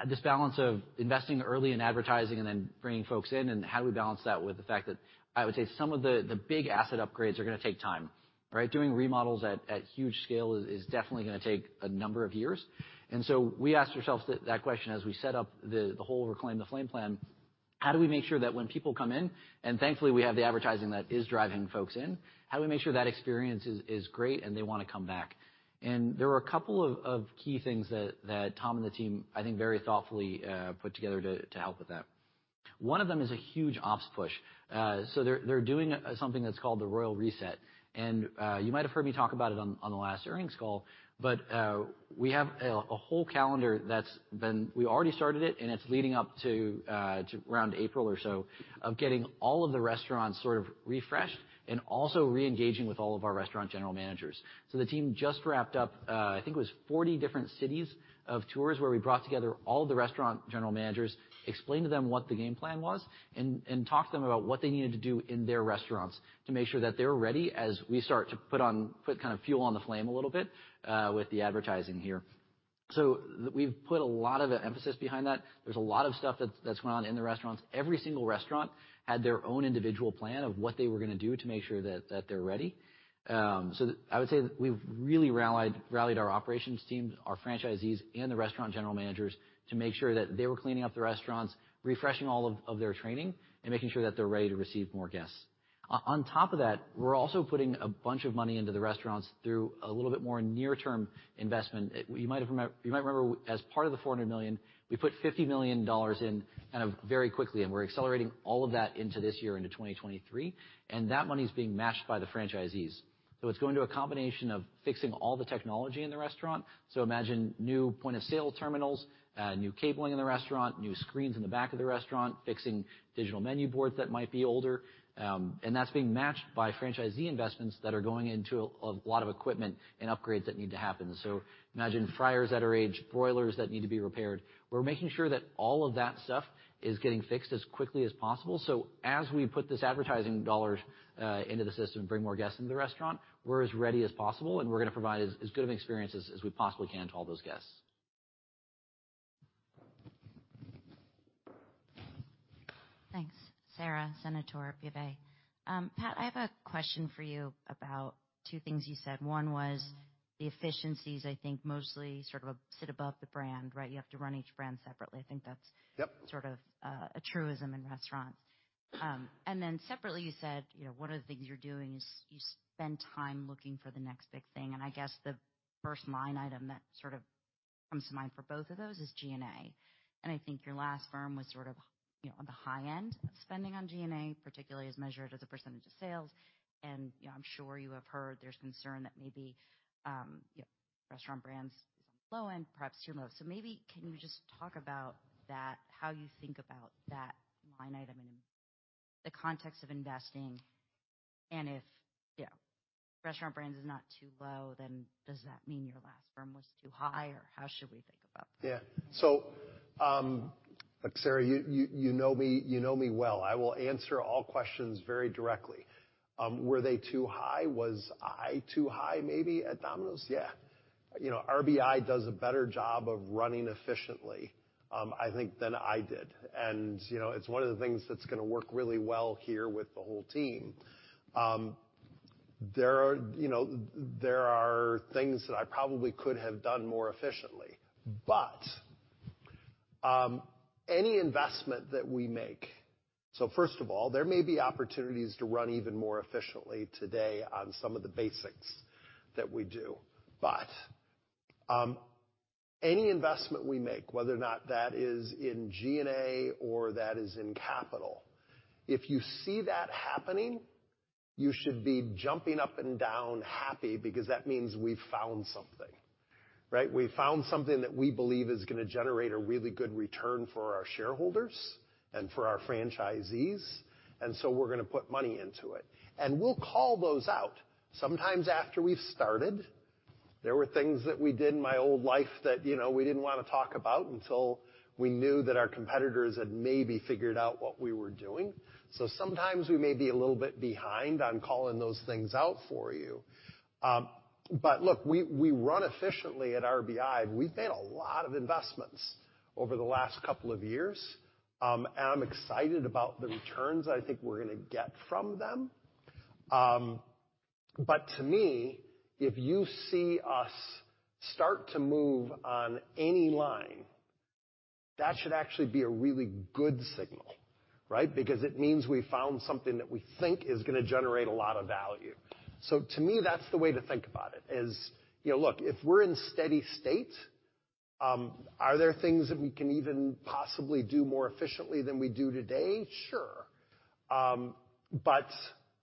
this balance of investing early in advertising and then bringing folks in and how do we balance that with the fact that I would say some of the big asset upgrades are gonna take time, right? Doing remodels at huge scale is definitely gonna take a number of years. We asked ourselves that question as we set up the whole Reclaim the Flame plan. How do we make sure that when people come in, and thankfully we have the advertising that is driving folks in, how do we make sure that experience is great, and they wanna come back? There were a couple of key things that Tom and the team, I think, very thoughtfully put together to help with that. One of them is a huge ops push. They're doing something that's called the Royal Reset. You might have heard me talk about it on the last earnings call. We have a whole calendar. We already started it and it's leading up to around April or so, of getting all of the restaurants sort of refreshed and also reengaging with all of our restaurant general managers. The team just wrapped up, I think it was 40 different cities of tours, where we brought together all the restaurant general managers, explained to them what the game plan was, and talked to them about what they needed to do in their restaurants to make sure that they're ready as we start to put kind of fuel on the flame a little bit with the advertising here. We've put a lot of emphasis behind that. There's a lot of stuff that's going on in the restaurants. Every single restaurant had their own individual plan of what they were gonna do to make sure that they're ready. I would say we've really rallied our operations team, our franchisees, and the restaurant general managers to make sure that they were cleaning up the restaurants, refreshing all of their training, and making sure that they're ready to receive more guests. On top of that, we're also putting a bunch of money into the restaurants through a little bit more near-term investment. You might remember as part of the $400 million, we put $50 million in kind of very quickly, and we're accelerating all of that into this year into 2023, and that money is being matched by the franchisees. It's going to a combination of fixing all the technology in the restaurant. Imagine new point-of-sale terminals, new cabling in the restaurant, new screens in the back of the restaurant, fixing digital menu boards that might be older. That's being matched by franchisee investments that are going into a lot of equipment and upgrades that need to happen. Imagine fryers that are aged, boilers that need to be repaired. We're making sure that all of that stuff is getting fixed as quickly as possible. As we put this advertising dollars into the system, bring more guests into the restaurant, we're as ready as possible, and we're gonna provide as good of an experience as we possibly can to all those guests. Thanks. Sara Senatore, BofA. Pat, I have a question for you about two things you said. One was the efficiencies, I think, mostly sort of sit above the brand, right? You have to run each brand separately. Yep. sort of a truism in restaurants. Separately, you said, you know, one of the things you're doing is you spend time looking for the next big thing, and I guess the first line item that sort of comes to mind for both of those is G&A. I think your last firm was sort of, you know, on the high end of spending on G&A, particularly as measured as a percentage of sales. You know, I'm sure you have heard there's concern that maybe, you know, Restaurant Brands is on low end, perhaps too low. Maybe can you just talk about that, how you think about that line item in the context of investing, and if, you know, Restaurant Brands is not too low, then does that mean your last firm was too high, or how should we think about that? Yeah. Look, Sara, you know me, you know me well. I will answer all questions very directly. Were they too high? Was I too high maybe at Domino's? Yeah. You know, RBI does a better job of running efficiently, I think, than I did. You know, it's one of the things that's gonna work really well here with the whole team. There are, you know, there are things that I probably could have done more efficiently, but any investment that we make... First of all, there may be opportunities to run even more efficiently today on some of the basics that we do. Any investment we make, whether or not that is in G&A or that is in capital, if you see that happening, you should be jumping up and down happy because that means we found something, right? We found something that we believe is gonna generate a really good return for our shareholders and for our franchisees, and so we're gonna put money into it. We'll call those out. Sometimes after we've started, there were things that we did in my old life that, you know, we didn't wanna talk about until we knew that our competitors had maybe figured out what we were doing. Sometimes we may be a little bit behind on calling those things out for you. Look, we run efficiently at RBI. We've made a lot of investments over the last couple of years, and I'm excited about the returns I think we're gonna get from them. To me, if you see us start to move on any line, that should actually be a really good signal, right? Because it means we found something that we think is gonna generate a lot of value. To me, that's the way to think about it is, you know, look, if we're in steady state, are there things that we can even possibly do more efficiently than we do today? Sure.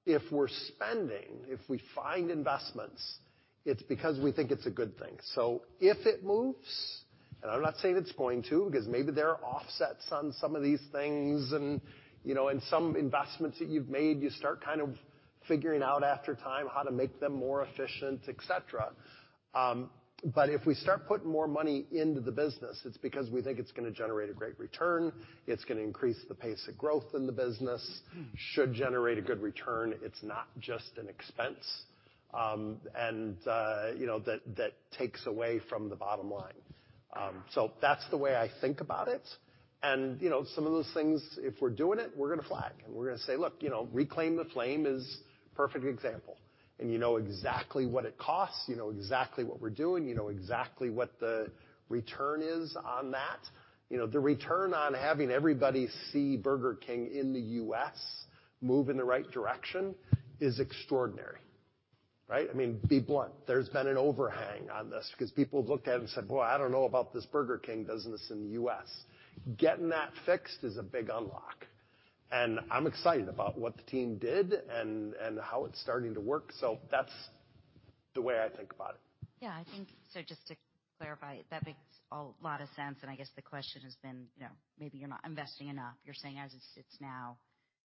If we're spending, if we find investments, it's because we think it's a good thing. If it moves, and I'm not saying it's going to, 'cause maybe there are offsets on some of these things and, you know, and some investments that you've made, you start kind of figuring out after time how to make them more efficient, et cetera. If we start putting more money into the business, it's because we think it's gonna generate a great return, it's gonna increase the pace of growth in the business, should generate a good return. It's not just an expense. You know, that takes away from the bottom line. That's the way I think about it. You know, some of those things, if we're doing it, we're gonna flag, and we're gonna say, look, you know, Reclaim the Flame is perfect example, and you know exactly what it costs. You know exactly what we're doing. You know exactly what the return is on that. You know, the return on having everybody see Burger King in the U.S. move in the right direction is extraordinary, right? I mean, be blunt, there's been an overhang on this because people look at it and said, "Boy, I don't know about this Burger King business in the U.S." Getting that fixed is a big unlock, and I'm excited about what the team did and how it's starting to work. That's the way I think about it. Yeah, I think. Just to clarify, that makes a lot of sense. I guess the question has been, you know, maybe you're not investing enough. You're saying as it sits now,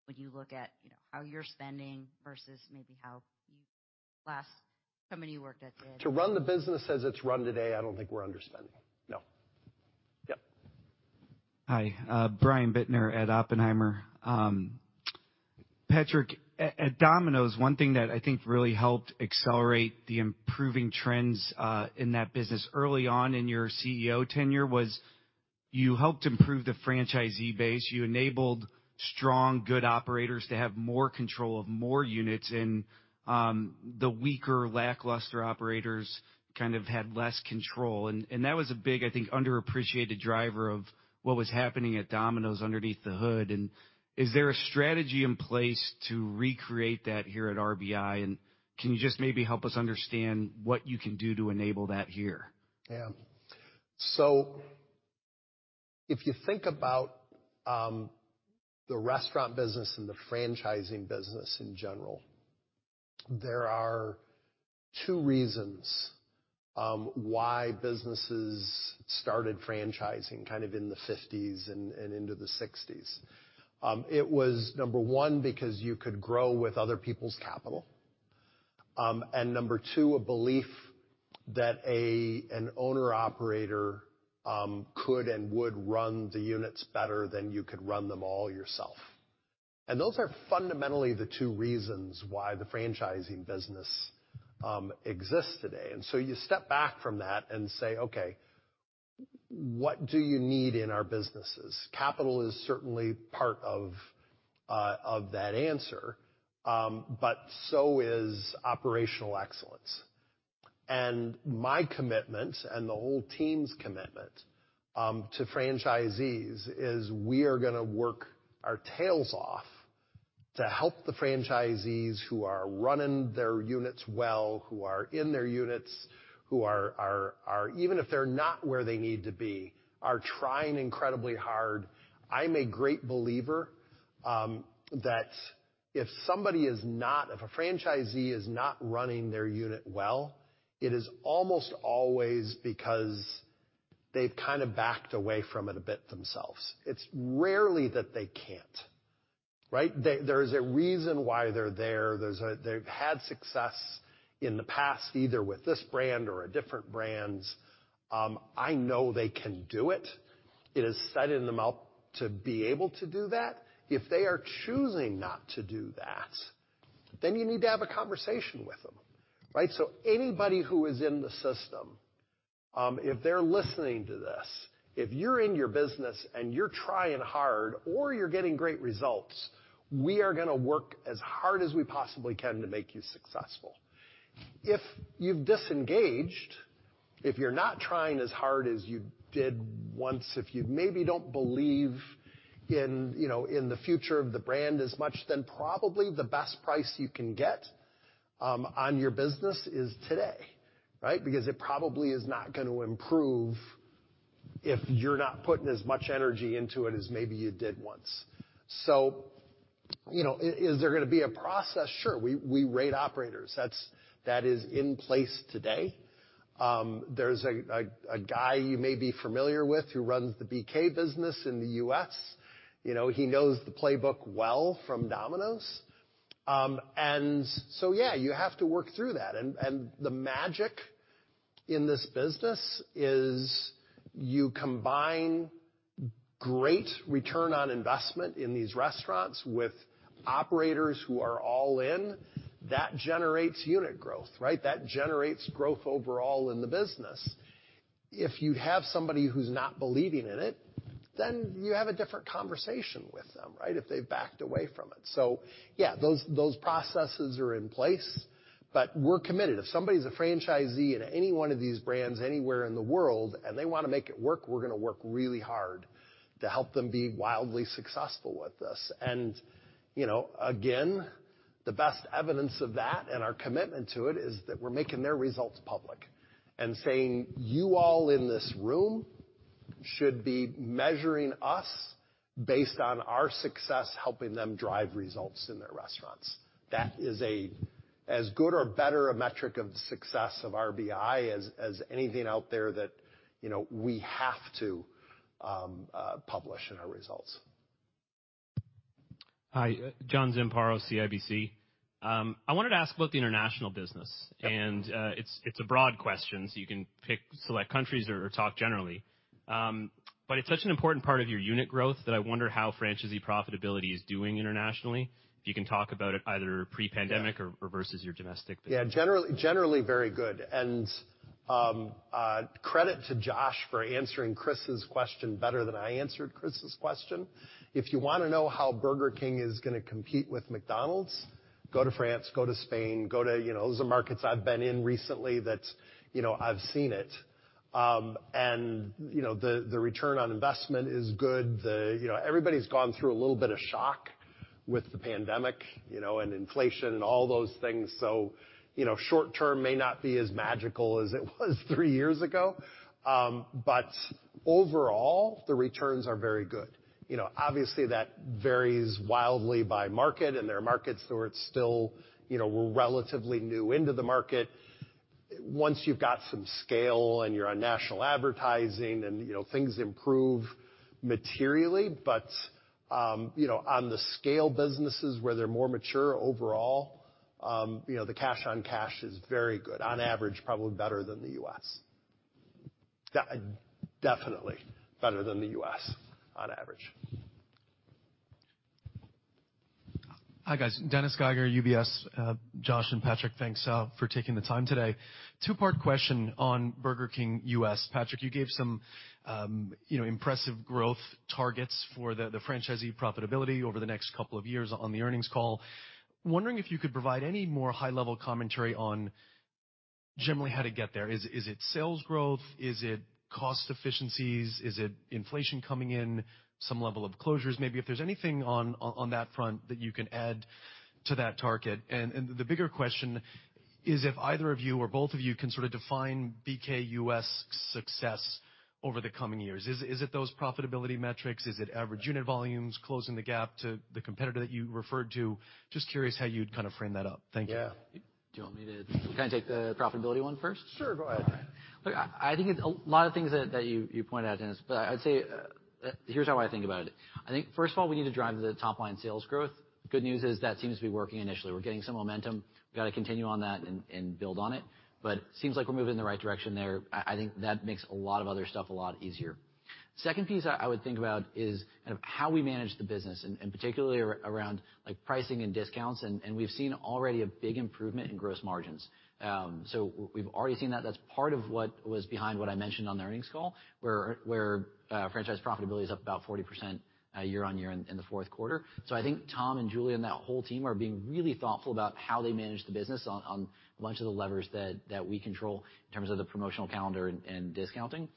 when you look at, you know, how you're spending versus maybe how you last company you worked at did. To run the business as it's run today, I don't think we're underspending. No. Yep. Hi. Brian Bittner at Oppenheimer. Patrick, at Domino's, one thing that I think really helped accelerate the improving trends in that business early on in your CEO tenure was you helped improve the franchisee base. You enabled strong, good operators to have more control of more units and the weaker, lackluster operators kind of had less control. That was a big, I think, underappreciated driver of what was happening at Domino's underneath the hood. Is there a strategy in place to recreate that here at RBI? Can you just maybe help us understand what you can do to enable that here? Yeah. If you think about the restaurant business and the franchising business in general, there are two reasons why businesses started franchising kind of in the 50s and into the 60s. It was, number one, because you could grow with other people's capital. Number two, a belief that an owner/operator could and would run the units better than you could run them all yourself. Those are fundamentally the two reasons why the franchising business exists today. You step back from that and say, okay, what do you need in our businesses? Capital is certainly part of that answer, but so is operational excellence. My commitment, and the whole team's commitment, to franchisees is we are gonna work our tails off to help the franchisees who are running their units well, who are in their units, who are even if they're not where they need to be, are trying incredibly hard. I'm a great believer that if a franchisee is not running their unit well, it is almost always because they've kind of backed away from it a bit themselves. It's rarely that they can't, right? There is a reason why they're there. They've had success in the past, either with this brand or at different brands. I know they can do it. It is set in them up to be able to do that. If they are choosing not to do that, then you need to have a conversation with them, right? Anybody who is in the system, if they're listening to this, if you're in your business and you're trying hard or you're getting great results, we are gonna work as hard as we possibly can to make you successful. If you've disengaged, if you're not trying as hard as you did once, if you maybe don't believe in, you know, in the future of the brand as much, then probably the best price you can get, on your business is today, right? Because it probably is not gonna improve if you're not putting as much energy into it as maybe you did once. You know, is there gonna be a process? Sure. We rate operators. That is in place today. There's a guy you may be familiar with who runs the BK business in the U.S. You know, he knows the playbook well from Domino's. So, yeah, you have to work through that. The magic in this business is you combine great return on investment in these restaurants with operators who are all in. That generates unit growth, right? That generates growth overall in the business. If you have somebody who's not believing in it, then you have a different conversation with them, right, if they've backed away from it. Yeah, those processes are in place, but we're committed. If somebody's a franchisee at any one of these brands anywhere in the world, and they wanna make it work, we're gonna work really hard to help them be wildly successful with this. You know, again, the best evidence of that and our commitment to it is that we're making their results public and saying, "You all in this room should be measuring us based on our success helping them drive results in their restaurants." That is a as good or better a metric of success of RBI as anything out there that, you know, we have to publish in our results. Hi, John Zamparo, CIBC. I wanted to ask about the international business. Yeah. It's a broad question, so you can pick select countries or talk generally. It's such an important part of your unit growth that I wonder how franchisee profitability is doing internationally. If you can talk about it either pre-pandemic… Yeah. -or versus your domestic business. Yeah. Generally very good. Credit to Josh for answering Chris's question better than I answered Chris's question. If you wanna know how Burger King is gonna compete with McDonald's, go to France, go to Spain, you know, those are markets I've been in recently that, you know, I've seen it. And, you know, the return on investment is good. The, you know, everybody's gone through a little bit of shock with the pandemic, you know, and inflation and all those things. You know, short term may not be as magical as it was three years ago. Overall, the returns are very good. You know, obviously that varies wildly by market, and there are markets where it's still, you know, we're relatively new into the market. Once you've got some scale and you're on national advertising and, you know, things improve materially. You know, on the scale businesses where they're more mature overall, you know, the cash on cash is very good. On average, probably better than the U.S. Definitely better than the U.S. on average. Hi, guys. Dennis Geiger, UBS. Josh and Patrick, thanks for taking the time today. Two part question on Burger King U.S. Patrick, you gave some, you know, impressive growth targets for the franchisee profitability over the next couple of years on the earnings call. Wondering if you could provide any more high level commentary on generally how to get there. Is it sales growth? Is it cost efficiencies? Is it inflation coming in? Some level of closures maybe? If there's anything on that front that you can add to that target. The bigger question is if either of you or both of you can sort of define BKUS success over the coming years. Is it those profitability metrics? Is it average unit volumes closing the gap to the competitor that you referred to? Just curious how you'd kind of frame that up. Thank you. Yeah. Can I take the profitability one first? Sure. Go ahead. All right. Look, I think it's a lot of things that you pointed out, Dennis, but I'd say, here's how I think about it. I think, first of all, we need to drive the top line sales growth. The good news is that seems to be working initially. We're getting some momentum. We've gotta continue on that and build on it, but seems like we're moving in the right direction there. I think that makes a lot of other stuff a lot easier. Second piece I would think about is kind of how we manage the business, and particularly around, like, pricing and discounts, and we've seen already a big improvement in gross margins. We've already seen that. That's part of what was behind what I mentioned on the earnings call, where franchise profitability is up about 40% year-over-year in the fourth quarter. I think Tom and Julie and that whole team are being really thoughtful about how they manage the business on a bunch of the levers that we control in terms of the promotional calendar and discounting.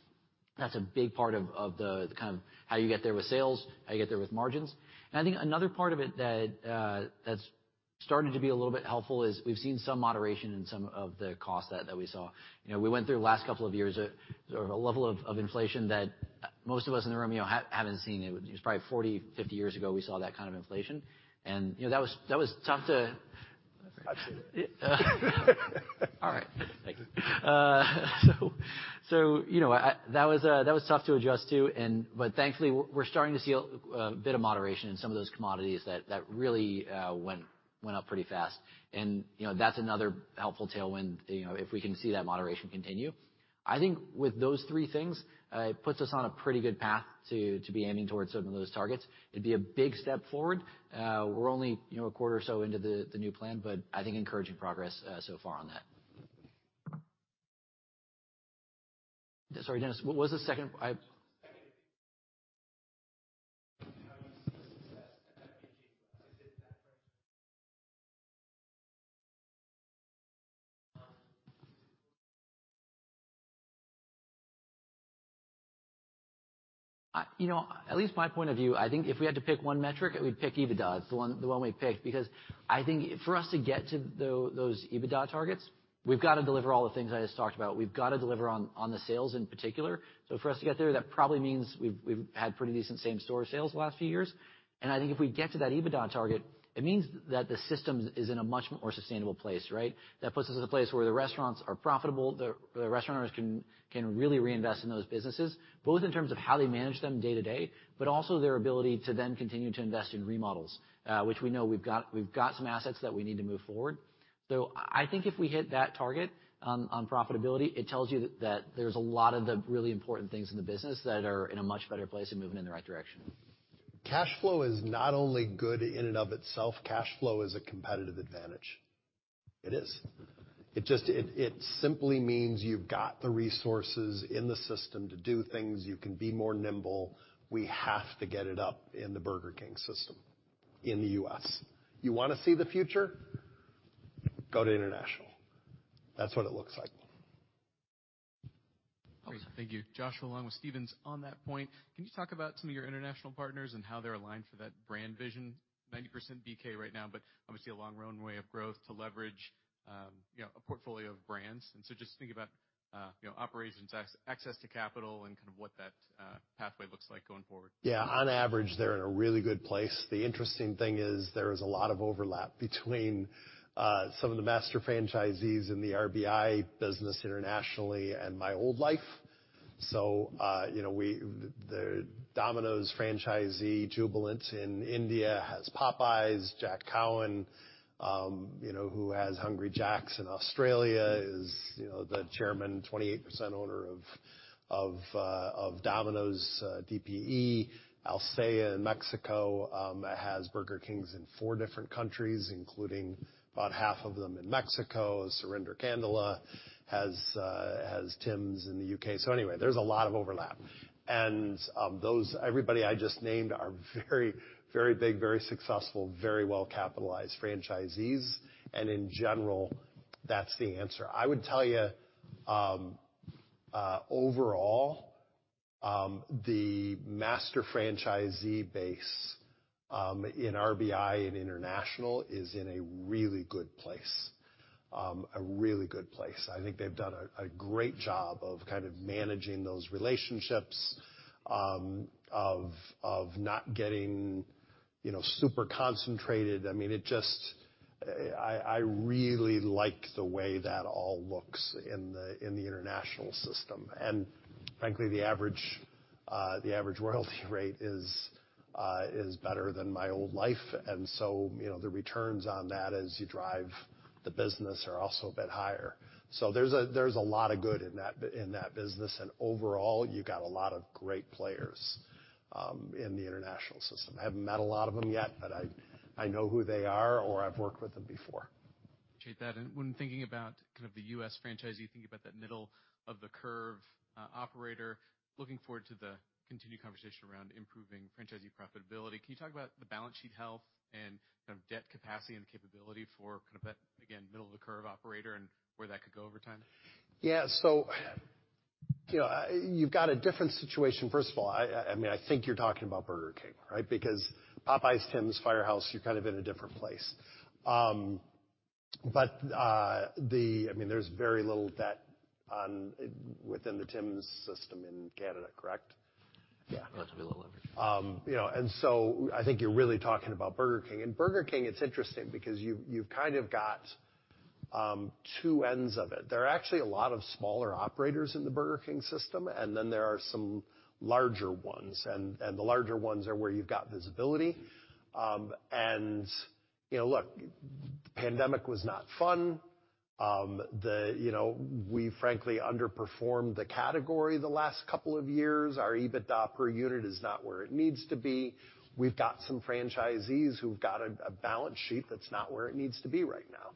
That's a big part of the kind of how you get there with sales, how you get there with margins. I think another part of it that's starting to be a little bit helpful is we've seen some moderation in some of the costs that we saw. You know, we went through the last couple of years at sort of a level of inflation that most of us in the room, you know, haven't seen. It was probably 40, 50 years ago, we saw that kind of inflation. You know, that was tough to- That's accurate. Yeah. All right. Thank you. you know, That was tough to adjust to, and but thankfully, we're starting to see a bit of moderation in some of those commodities that really went up pretty fast. you know, that's another helpful tailwind, you know, if we can see that moderation continue. I think with those three things, it puts us on a pretty good path to be aiming towards some of those targets. It'd be a big step forward. we're only, you know, a quarter or so into the new plan, but I think encouraging progress so far on that. Sorry, Dennis, what was the second? The second was how you see success at BKUS. Is it that framework? You know, at least my point of view, I think if we had to pick one metric, we'd pick EBITDA. It's the one we picked because I think for us to get to those EBITDA targets, we've got to deliver all the things I just talked about. We've got to deliver on the sales in particular. For us to get there, that probably means we've had pretty decent same store sales the last few years. I think if we get to that EBITDA target, it means that the system is in a much more sustainable place, right? That puts us in a place where the restaurants are profitable, the restaurant owners can really reinvest in those businesses, both in terms of how they manage them day to day, but also their ability to then continue to invest in remodels, which we know we've got some assets that we need to move forward. I think if we hit that target on profitability, it tells you that there's a lot of the really important things in the business that are in a much better place and moving in the right direction. Cash flow is not only good in and of itself, cash flow is a competitive advantage. It is. It simply means you've got the resources in the system to do things. You can be more nimble. We have to get it up in the Burger King system in the U.S. You wanna see the future? Go to international. That's what it looks like. Great. Thank you. Josh, along with Stevens, on that point, can you talk about some of your international partners and how they're aligned for that brand vision? 90% BK right now, but obviously a long runway of growth to leverage, you know, a portfolio of brands. Just think about, you know, operations, access to capital and kind of what that pathway looks like going forward. Yeah. On average, they're in a really good place. The interesting thing is there is a lot of overlap between some of the master franchisees in the RBI business internationally and my old life. The Domino's franchisee Jubilant FoodWorks in India has Popeyes. Jack Cowin, you know, who has Hungry Jack's in Australia is, you know, the chairman, 28% owner of Domino's, DPE. Alsea in Mexico has Burger Kings in four different countries, including about half of them in Mexico. Surinder Kandola has Tim's in the U.K. Anyway, there's a lot of overlap. Everybody I just named are very, very big, very successful, very well-capitalized franchisees. In general, that's the answer. I would tell you, overall, the master franchisee base in RBI, in international is in a really good place, a really good place. I think they've done a great job of kind of managing those relationships, of not getting, you know, super concentrated. I mean, I really like the way that all looks in the international system. Frankly, the average royalty rate is better than my old life. You know, the returns on that as you drive the business are also a bit higher. There's a lot of good in that business. Overall, you got a lot of great players in the international system. I haven't met a lot of them yet, but I know who they are, or I've worked with them before. Appreciate that. When thinking about kind of the U.S. franchisee, you think about that middle of the curve operator, looking forward to the continued conversation around improving franchisee profitability. Can you talk about the balance sheet health and, kind of, debt capacity and capability for kind of that, again, middle of the curve operator and where that could go over time? Yeah. you know, you've got a different situation. First of all, I mean, I think you're talking about Burger King, right? Popeyes, Tims, Firehouse, you're kind of in a different place. I mean, there's very little debt within the Tims system in Canada, correct? Yeah. Not to be leveraged. You know, I think you're really talking about Burger King. Burger King, it's interesting because you've kind of got two ends of it. There are actually a lot of smaller operators in the Burger King system, and then there are some larger ones. The larger ones are where you've got visibility. You know, look, pandemic was not fun. You know, we frankly underperformed the category the last couple of years. Our EBITDA per unit is not where it needs to be. We've got some franchisees who've got a balance sheet that's not where it needs to be right now,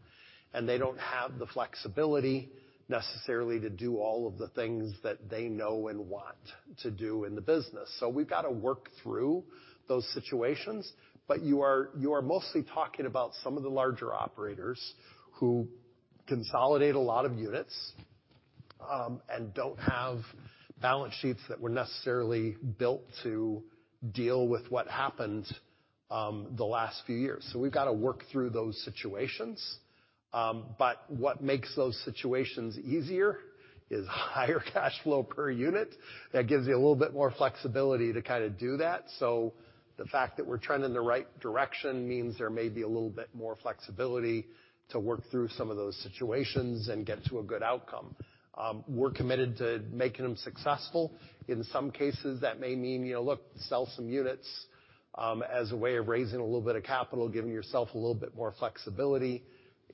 and they don't have the flexibility necessarily to do all of the things that they know and want to do in the business. We've got to work through those situations. You are mostly talking about some of the larger operators who consolidate a lot of units, and don't have balance sheets that were necessarily built to deal with what happened the last few years. We've got to work through those situations. What makes those situations easier is higher cash flow per unit. That gives you a little bit more flexibility to kinda do that. The fact that we're trending in the right direction means there may be a little bit more flexibility to work through some of those situations and get to a good outcome. We're committed to making them successful. In some cases, that may mean, you know, look, sell some units, as a way of raising a little bit of capital, giving yourself a little bit more flexibility.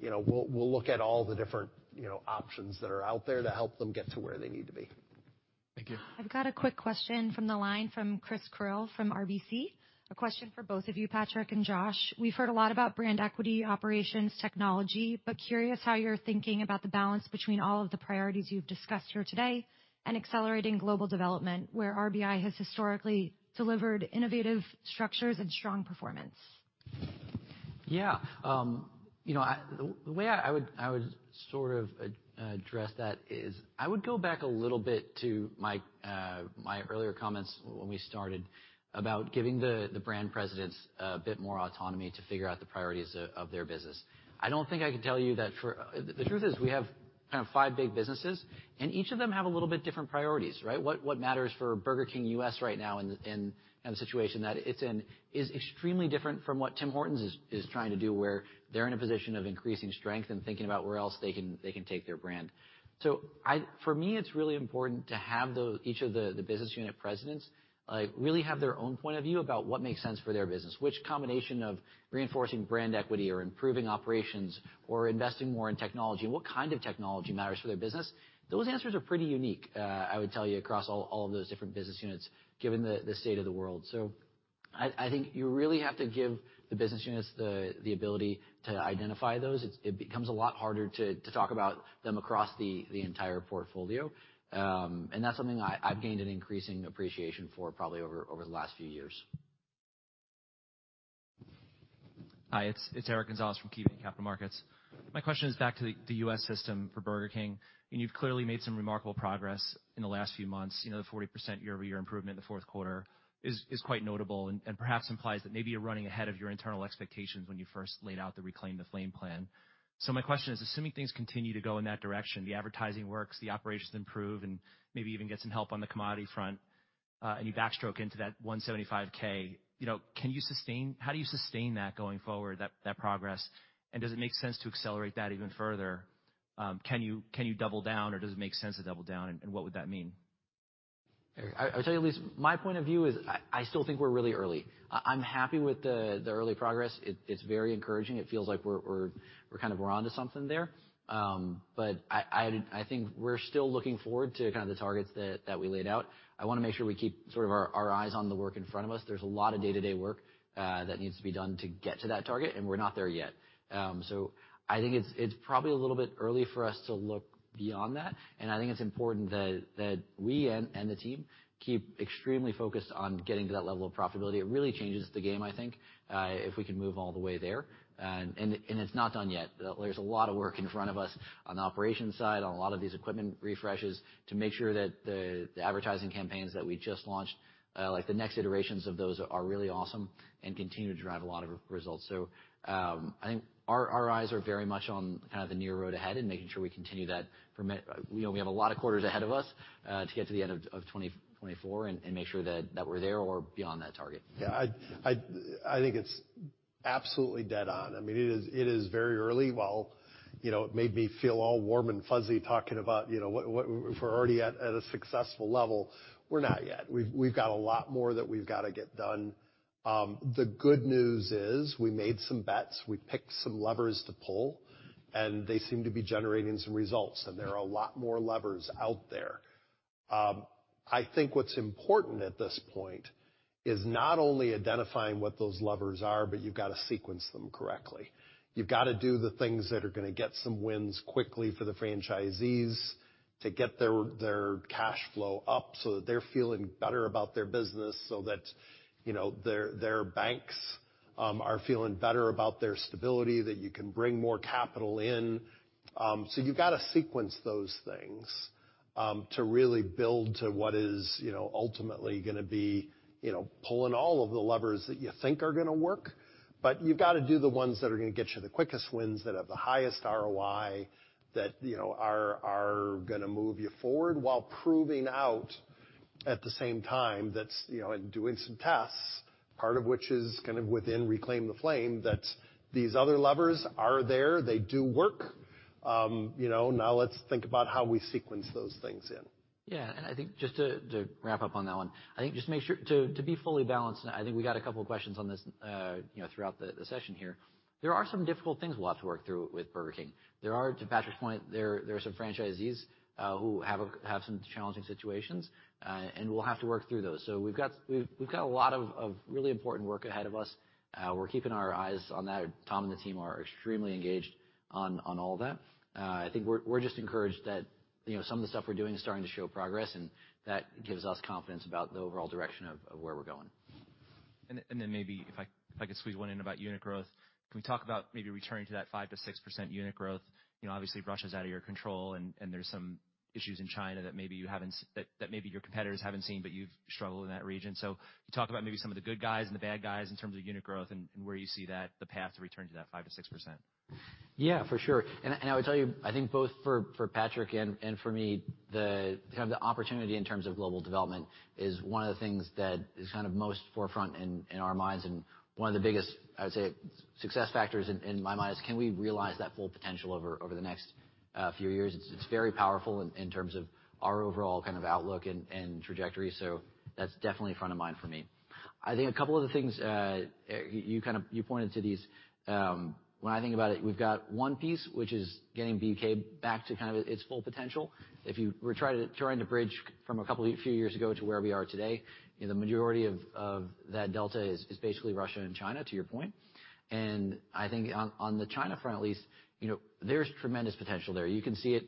You know, we'll look at all the different, you know, options that are out there to help them get to where they need to be. Thank you. I've got a quick question from the line from Christopher Carril from RBC. A question for both of you, Patrick and Josh. We've heard a lot about brand equity, operations, technology, but curious how you're thinking about the balance between all of the priorities you've discussed here today and accelerating global development, where RBI has historically delivered innovative structures and strong performance. Yeah. you know, the way I would sort of address that is I would go back a little bit to my earlier comments when we started about giving the brand presidents a bit more autonomy to figure out the priorities of their business. I don't think I can tell you that for... The truth is we have kind of five big businesses. Each of them have a little bit different priorities, right? What matters for Burger King U.S. right now in the situation that it's in is extremely different from what Tim Hortons is trying to do, where they're in a position of increasing strength and thinking about where else they can take their brand. For me, it's really important to have each of the business unit presidents, like, really have their own point of view about what makes sense for their business. Which combination of reinforcing brand equity or improving operations or investing more in technology and what kind of technology matters for their business. Those answers are pretty unique, I would tell you, across all of those different business units, given the state of the world. I think you really have to give the business units the ability to identify those. It becomes a lot harder to talk about them across the entire portfolio. And that's something I've gained an increasing appreciation for probably over the last few years. Hi, it's Eric Gonzalez from KeyBanc Capital Markets. My question is back to the U.S. system for Burger King. You've clearly made some remarkable progress in the last few months. You know, the 40% year-over-year improvement in the fourth quarter is quite notable and perhaps implies that maybe you're running ahead of your internal expectations when you first laid out the Reclaim the Flame plan. My question is, assuming things continue to go in that direction, the advertising works, the operations improve, and maybe even get some help on the commodity front. You backstroke into that $175K. You know, how do you sustain that going forward, that progress? Does it make sense to accelerate that even further? Can you double down, or does it make sense to double down, and what would that mean? I tell you, at least my point of view is I still think we're really early. I'm happy with the early progress. It's very encouraging. It feels like we're kind of we're onto something there. I think we're still looking forward to kind of the targets that we laid out. I wanna make sure we keep sort of our eyes on the work in front of us. There's a lot of day-to-day work that needs to be done to get to that target, and we're not there yet. I think it's probably a little bit early for us to look beyond that. I think it's important that we and the team keep extremely focused on getting to that level of profitability. It really changes the game, I think, if we can move all the way there, and it's not done yet. There's a lot of work in front of us on the operations side, on a lot of these equipment refreshes to make sure that the advertising campaigns that we just launched, like the next iterations of those are really awesome and continue to drive a lot of results. I think our eyes are very much on kind of the near road ahead and making sure we continue that. We know we have a lot of quarters ahead of us to get to the end of 2024 and make sure that we're there or beyond that target. Yeah, I think it's absolutely dead on. I mean, it is very early. While, you know, it made me feel all warm and fuzzy talking about, you know, what if we're already at a successful level, we're not yet. We've got a lot more that we've got to get done. The good news is we made some bets, we picked some levers to pull, and they seem to be generating some results, and there are a lot more levers out there. I think what's important at this point is not only identifying what those levers are, but you've got to sequence them correctly. You've got to do the things that are gonna get some wins quickly for the franchisees to get their cash flow up so that they're feeling better about their business, so that, you know, their banks are feeling better about their stability, that you can bring more capital in. You've got to sequence those things to really build to what is, you know, ultimately gonna be, you know, pulling all of the levers that you think are gonna work. You've got to do the ones that are gonna get you the quickest wins, that have the highest ROI, that, you know, are gonna move you forward while proving out at the same time that's, you know, and doing some tests, part of which is kind of within Reclaim the Flame, that these other levers are there, they do work. you know, now let's think about how we sequence those things in. Yeah. I think just to wrap up on that one, I think just make sure to be fully balanced, and I think we got two questions on this, you know, throughout the session here. There are some difficult things we'll have to work through with Burger King. There are, to Patrick's point, there are some franchisees, who have some challenging situations, and we'll have to work through those. We've got a lot of really important work ahead of us. We're keeping our eyes on that. Tom and the team are extremely engaged on all that. I think we're just encouraged that, you know, some of the stuff we're doing is starting to show progress, and that gives us confidence about the overall direction of where we're going. Maybe if I could squeeze one in about unit growth? Can we talk about maybe returning to that 5%-6% unit growth? You know, obviously, Russia's out of your control, and there's some issues in China that maybe you haven't that maybe your competitors haven't seen, but you've struggled in that region. Can you talk about maybe some of the good guys and the bad guys in terms of unit growth, and where you see that, the path to return to that 5%-6%? Yeah, for sure. I would tell you, I think both for Patrick and for me, the kind of the opportunity in terms of global development is one of the things that is kind of most forefront in our minds. One of the biggest, I would say, success factors in my mind is can we realize that full potential over the next few years. It's very powerful in terms of our overall kind of outlook and trajectory. That's definitely front of mind for me. I think a couple other things, you pointed to these. When I think about it, we've got one piece which is getting BK back to kind of its full potential. If you were trying to bridge from a couple few years ago to where we are today, you know, the majority of that delta is basically Russia and China, to your point. I think on the China front at least, you know, there's tremendous potential there. You can see it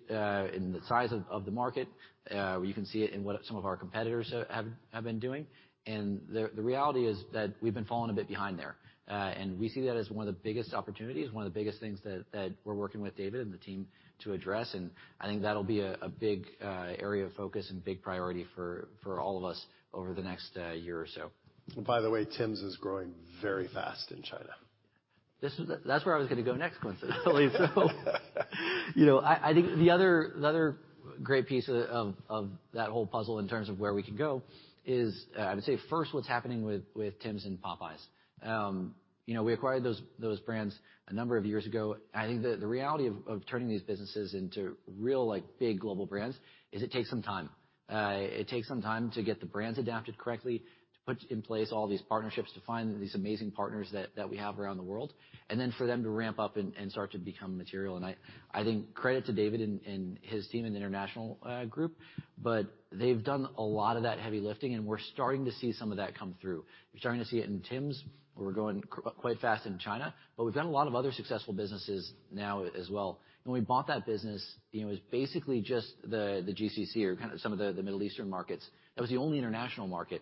in the size of the market, you can see it in what some of our competitors have been doing. The reality is that we've been falling a bit behind there. We see that as one of the biggest opportunities, one of the biggest things that we're working with David and the team to address. I think that'll be a big area of focus and big priority for all of us over the next year or so. By the way, Tims is growing very fast in China. That's where I was gonna go next, coincidentally. You know, I think the other great piece of that whole puzzle in terms of where we can go is, I would say first what's happening with Tims and Popeyes. You know, we acquired those brands a number of years ago. I think the reality of turning these businesses into real like big global brands is it takes some time. It takes some time to get the brands adapted correctly, to put in place all these partnerships, to find these amazing partners that we have around the world, and then for them to ramp up and start to become material. I think credit to David and his team in the international group, but they've done a lot of that heavy lifting. We're starting to see some of that come through. We're starting to see it in Tims, where we're growing quite fast in China, but we've done a lot of other successful businesses now as well. When we bought that business, you know, it was basically just the GCC or kinda some of the Middle Eastern markets. That was the only international market.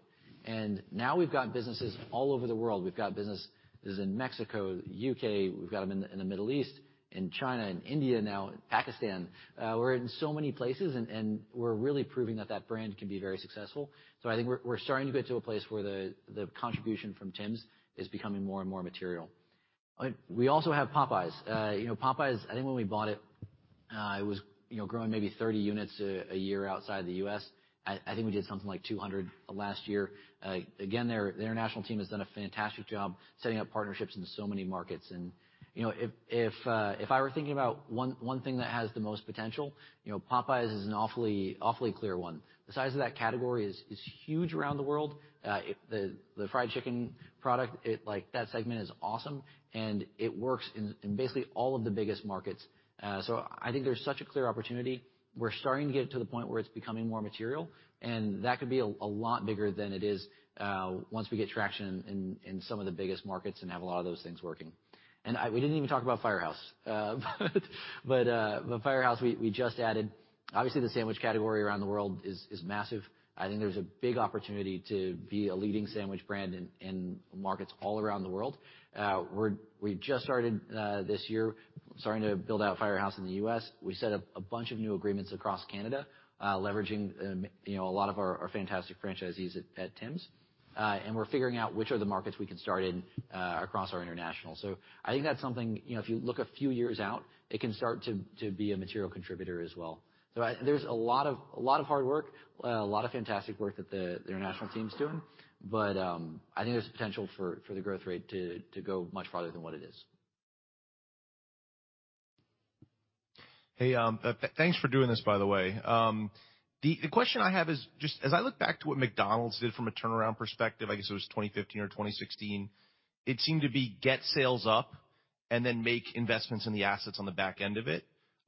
Now we've got businesses all over the world. We've got businesses in Mexico, U.K., we've got them in the Middle East, in China, in India now, Pakistan. We're in so many places and we're really proving that that brand can be very successful. I think we're starting to get to a place where the contribution from Tims is becoming more and more material. We also have Popeyes. You know, Popeyes, I think when we bought it was, you know, growing maybe 30 units a year outside the U.S. I think we did something like 200 last year. Again, the international team has done a fantastic job setting up partnerships in so many markets. You know, if I were thinking about one thing that has the most potential, you know, Popeyes is an awfully clear one. The size of that category is huge around the world. The fried chicken product, it like that segment is awesome, and it works in basically all of the biggest markets. I think there's such a clear opportunity. We're starting to get to the point where it's becoming more material, and that could be a lot bigger than it is once we get traction in some of the biggest markets and have a lot of those things working. We didn't even talk about Firehouse. But Firehouse, we just added. Obviously, the sandwich category around the world is massive. I think there's a big opportunity to be a leading sandwich brand in markets all around the world. We just started this year, starting to build out Firehouse in the U.S. We set up a bunch of new agreements across Canada, leveraging, you know, a lot of our fantastic franchisees at Tims. We're figuring out which are the markets we can start in across our international. I think that's something, you know, if you look a few years out, it can start to be a material contributor as well. There's a lot of hard work, a lot of fantastic work that the international team's doing. I think there's potential for the growth rate to go much farther than what it is. Hey, thanks for doing this, by the way. The question I have is just as I look back to what McDonald's did from a turnaround perspective, I guess it was 2015 or 2016, it seemed to be get sales up and then make investments in the assets on the back end of it.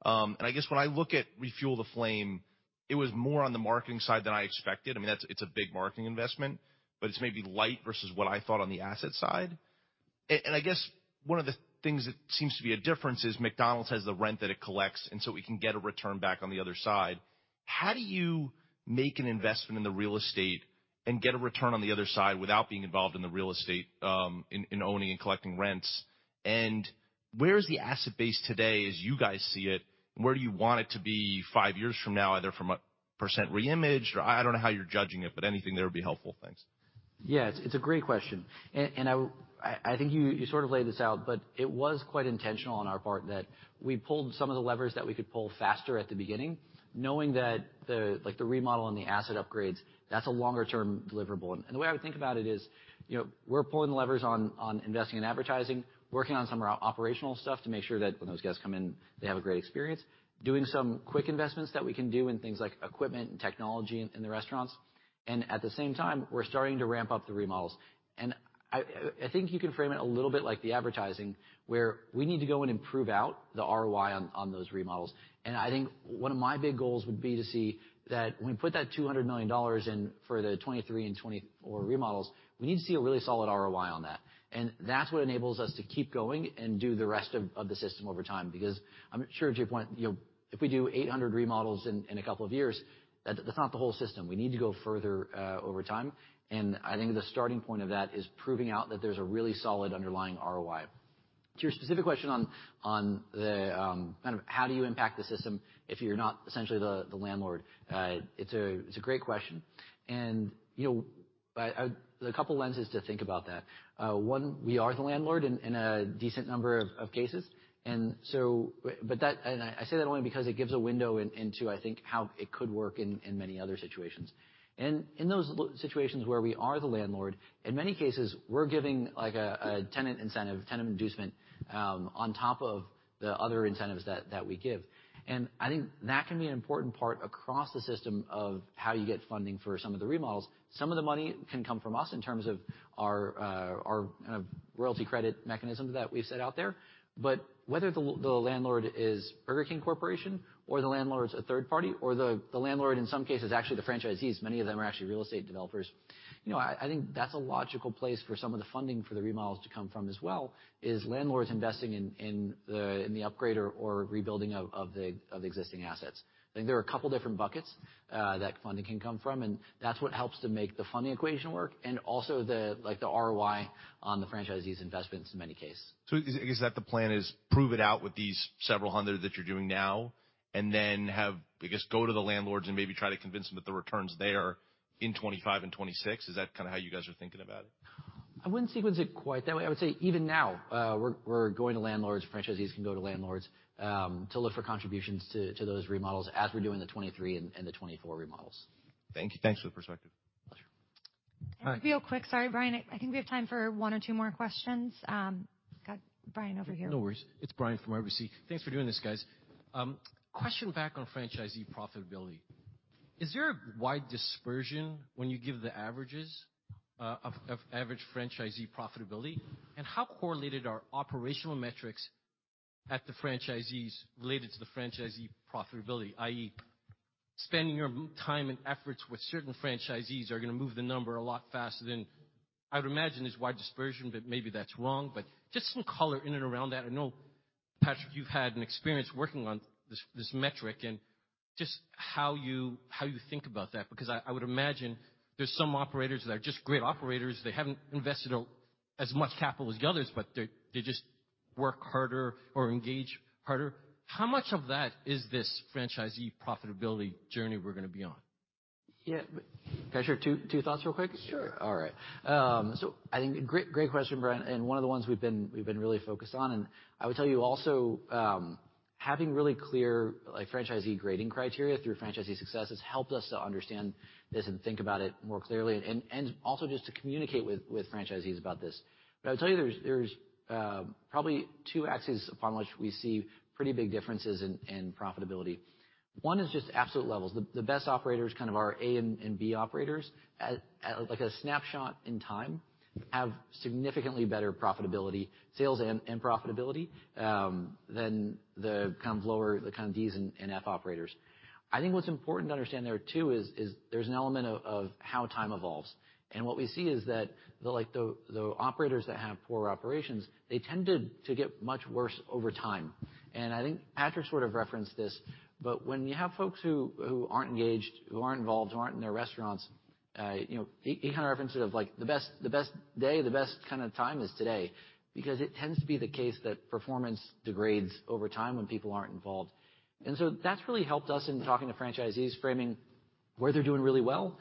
I guess when I look at Reclaim the Flame, it was more on the marketing side than I expected. I mean, that's it's a big marketing investment, but it's maybe light versus what I thought on the asset side. I guess one of the things that seems to be a difference is McDonald's has the rent that it collects, and so we can get a return back on the other side. How do you make an investment in the real estate and get a return on the other side without being involved in the real estate, in owning and collecting rents? Where is the asset base today as you guys see it? Where do you want it to be five years from now, either from a percent re-imaged or I don't know how you're judging it, but anything there would be helpful. Thanks. Yeah, it's a great question. I think you sort of laid this out, but it was quite intentional on our part that we pulled some of the levers that we could pull faster at the beginning, knowing that the remodel and the asset upgrades, that's a longer-term deliverable. The way I would think about it is, you know, we're pulling the levers on investing in advertising, working on some operational stuff to make sure that when those guests come in, they have a great experience. Doing some quick investments that we can do in things like equipment and technology in the restaurants. At the same time, we're starting to ramp up the remodels. I think you can frame it a little bit like the advertising where we need to go and improve out the ROI on those remodels. I think one of my big goals would be to see that when we put that $200 million in for the 2023 and 2024 remodels, we need to see a really solid ROI on that. That's what enables us to keep going and do the rest of the system over time. I'm sure to your point, you know, if we do 800 remodels in a couple of years, that's not the whole system. We need to go further over time. I think the starting point of that is proving out that there's a really solid underlying ROI. To your specific question on the kind of how do you impact the system if you're not essentially the landlord? It's a great question. You know, a couple lenses to think about that. One, we are the landlord in a decent number of cases. I say that only because it gives a window into, I think, how it could work in many other situations. In those situations where we are the landlord, in many cases, we're giving like a tenant incentive, tenant inducement, on top of the other incentives that we give. I think that can be an important part across the system of how you get funding for some of the remodels. Some of the money can come from us in terms of our royalty credit mechanism that we've set out there. Whether the landlord is Burger King Corporation or the landlord's a third party, or the landlord in some cases, actually the franchisees, many of them are actually real estate developers. You know, I think that's a logical place for some of the funding for the remodels to come from as well, is landlords investing in the upgrade or rebuilding of the existing assets. I think there are a couple different buckets that funding can come from, and that's what helps to make the funding equation work, and also the, like, the ROI on the franchisees' investments in many cases. Is that the plan is prove it out with these several hundred that you're doing now and then have, I guess, go to the landlords and maybe try to convince them that the returns there in 2025 and 2026? Is that kinda how you guys are thinking about it? I wouldn't sequence it quite that way. I would say even now, we're going to landlords, franchisees can go to landlords, to look for contributions to those remodels as we're doing the 23 and the 24 remodels. Thank you. Thanks for the perspective. Pleasure. Real quick. Sorry, Christopher Carril. I think we have time for one or two more questions. got Christopher Carril over here. No worries. It's Christopher Carril from RBC. Thanks for doing this, guys. Question back on franchisee profitability. Is there a wide dispersion when you give the averages, of average franchisee profitability? How correlated are operational metrics at the franchisees related to the franchisee profitability? i.e., spending your time and efforts with certain franchisees are gonna move the number a lot faster than... I would imagine there's wide dispersion, but maybe that's wrong. Just some color in and around that. I know, Patrick, you've had an experience working on this metric and just how you think about that, because I would imagine there's some operators that are just great operators. They haven't invested as much capital as the others, but they just work harder or engage harder. How much of that is this franchisee profitability journey we're gonna be on? Yeah, can I share two thoughts real quick? Sure. All right. I think great question, Christopher Carril, and one of the ones we've been really focused on. I would tell you also, having really clear, like, franchisee grading criteria through Franchisee Success has helped us to understand this and think about it more clearly and also just to communicate with franchisees about this. I'll tell you, there's probably two axes upon which we see pretty big differences in profitability. One is just absolute levels. The best operators, kind of our A and B operators, at like a snapshot in time, have significantly better profitability, sales and profitability than the kind of lower, the kind of D's and F operators. I think what's important to understand there too is there's an element of how time evolves. What we see is that the operators that have poor operations, they tend to get much worse over time. I think Patrick sort of referenced this, but when you have folks who aren't engaged, who aren't involved, who aren't in their restaurants, you know, he kind of referenced it of like the best day, the best kind of time is today because it tends to be the case that performance degrades over time when people aren't involved. That's really helped us in talking to franchisees, framing where they're doing really well,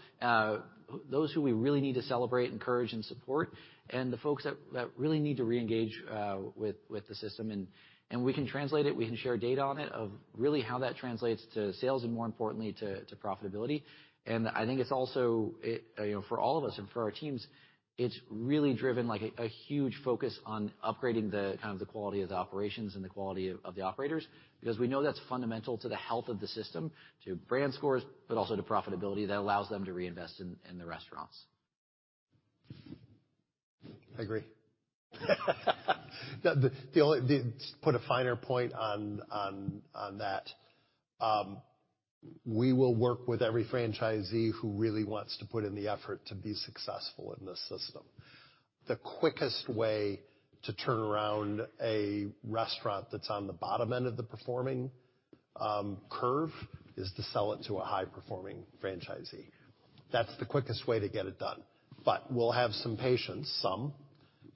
those who we really need to celebrate, encourage and support, and the folks that really need to reengage with the system, and we can translate it, we can share data on it, of really how that translates to sales and more importantly to profitability. I think it's also, you know, for all of us and for our teams, it's really driven like a huge focus on upgrading the kind of the quality of the operations and the quality of the operators, because we know that's fundamental to the health of the system, to brand scores, but also to profitability that allows them to reinvest in the restaurants. I agree. To put a finer point on that, we will work with every franchisee who really wants to put in the effort to be successful in this system. The quickest way to turn around a restaurant that's on the bottom end of the performing curve is to sell it to a high-performing franchisee. That's the quickest way to get it done. We'll have some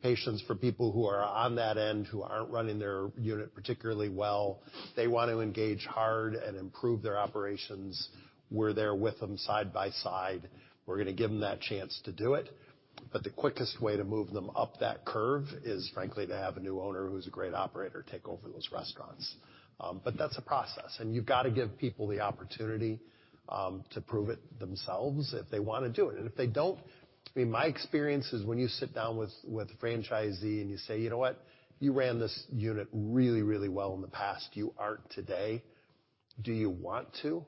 patience for people who are on that end who aren't running their unit particularly well. They want to engage hard and improve their operations. We're there with them side by side. We're gonna give them that chance to do it. The quickest way to move them up that curve is frankly to have a new owner who's a great operator take over those restaurants. That's a process. You've got to give people the opportunity to prove it themselves if they wanna do it. If they don't, I mean, my experience is when you sit down with a franchisee, and you say, "You know what? You ran this unit really, really well in the past. You aren't today. Do you want to?"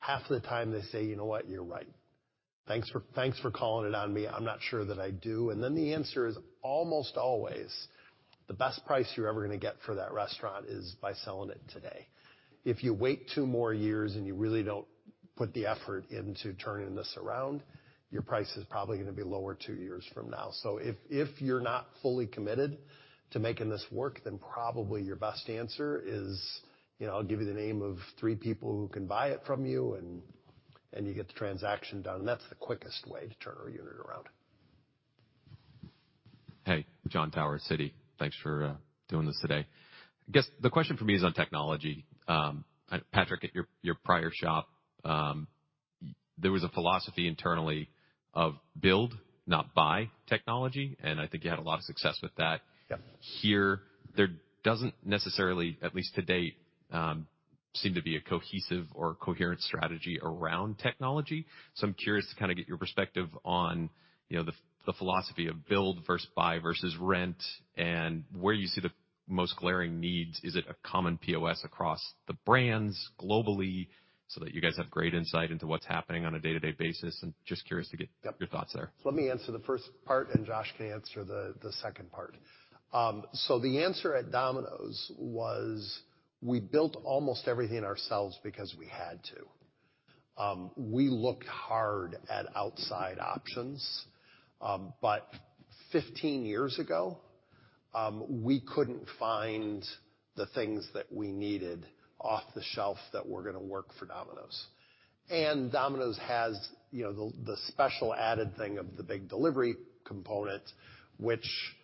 Half the time they say, "You know what? You're right. Thanks for calling it on me. I'm not sure that I do." Then the answer is almost always the best price you're ever gonna get for that restaurant is by selling it today. If you wait two more years and you really don't put the effort into turning this around, your price is probably gonna be lower two years from now. If you're not fully committed to making this work, then probably your best answer is, you know, I'll give you the name of three people who can buy it from you, and you get the transaction done. That's the quickest way to turn a unit around. Hey, Jon Tower, Citi. Thanks for doing this today. I guess the question for me is on technology. Patrick, at your prior shop, there was a philosophy internally of build, not buy technology, and I think you had a lot of success with that. Yep. Here, there doesn't necessarily, at least to date, seem to be a cohesive or coherent strategy around technology. I'm curious to kinda get your perspective on, you know, the philosophy of build versus buy versus rent and where you see the most glaring needs. Is it a common POS across the brands globally so that you guys have great insight into what's happening on a day-to-day basis? Yep. your thoughts there. Let me answer the first part, and Josh can answer the second part. The answer at Domino's was we built almost everything ourselves because we had to. We looked hard at outside options, but 15 years ago, we couldn't find the things that we needed off the shelf that were gonna work for Domino's. Domino's has, you know, the special added thing of the big delivery component, which,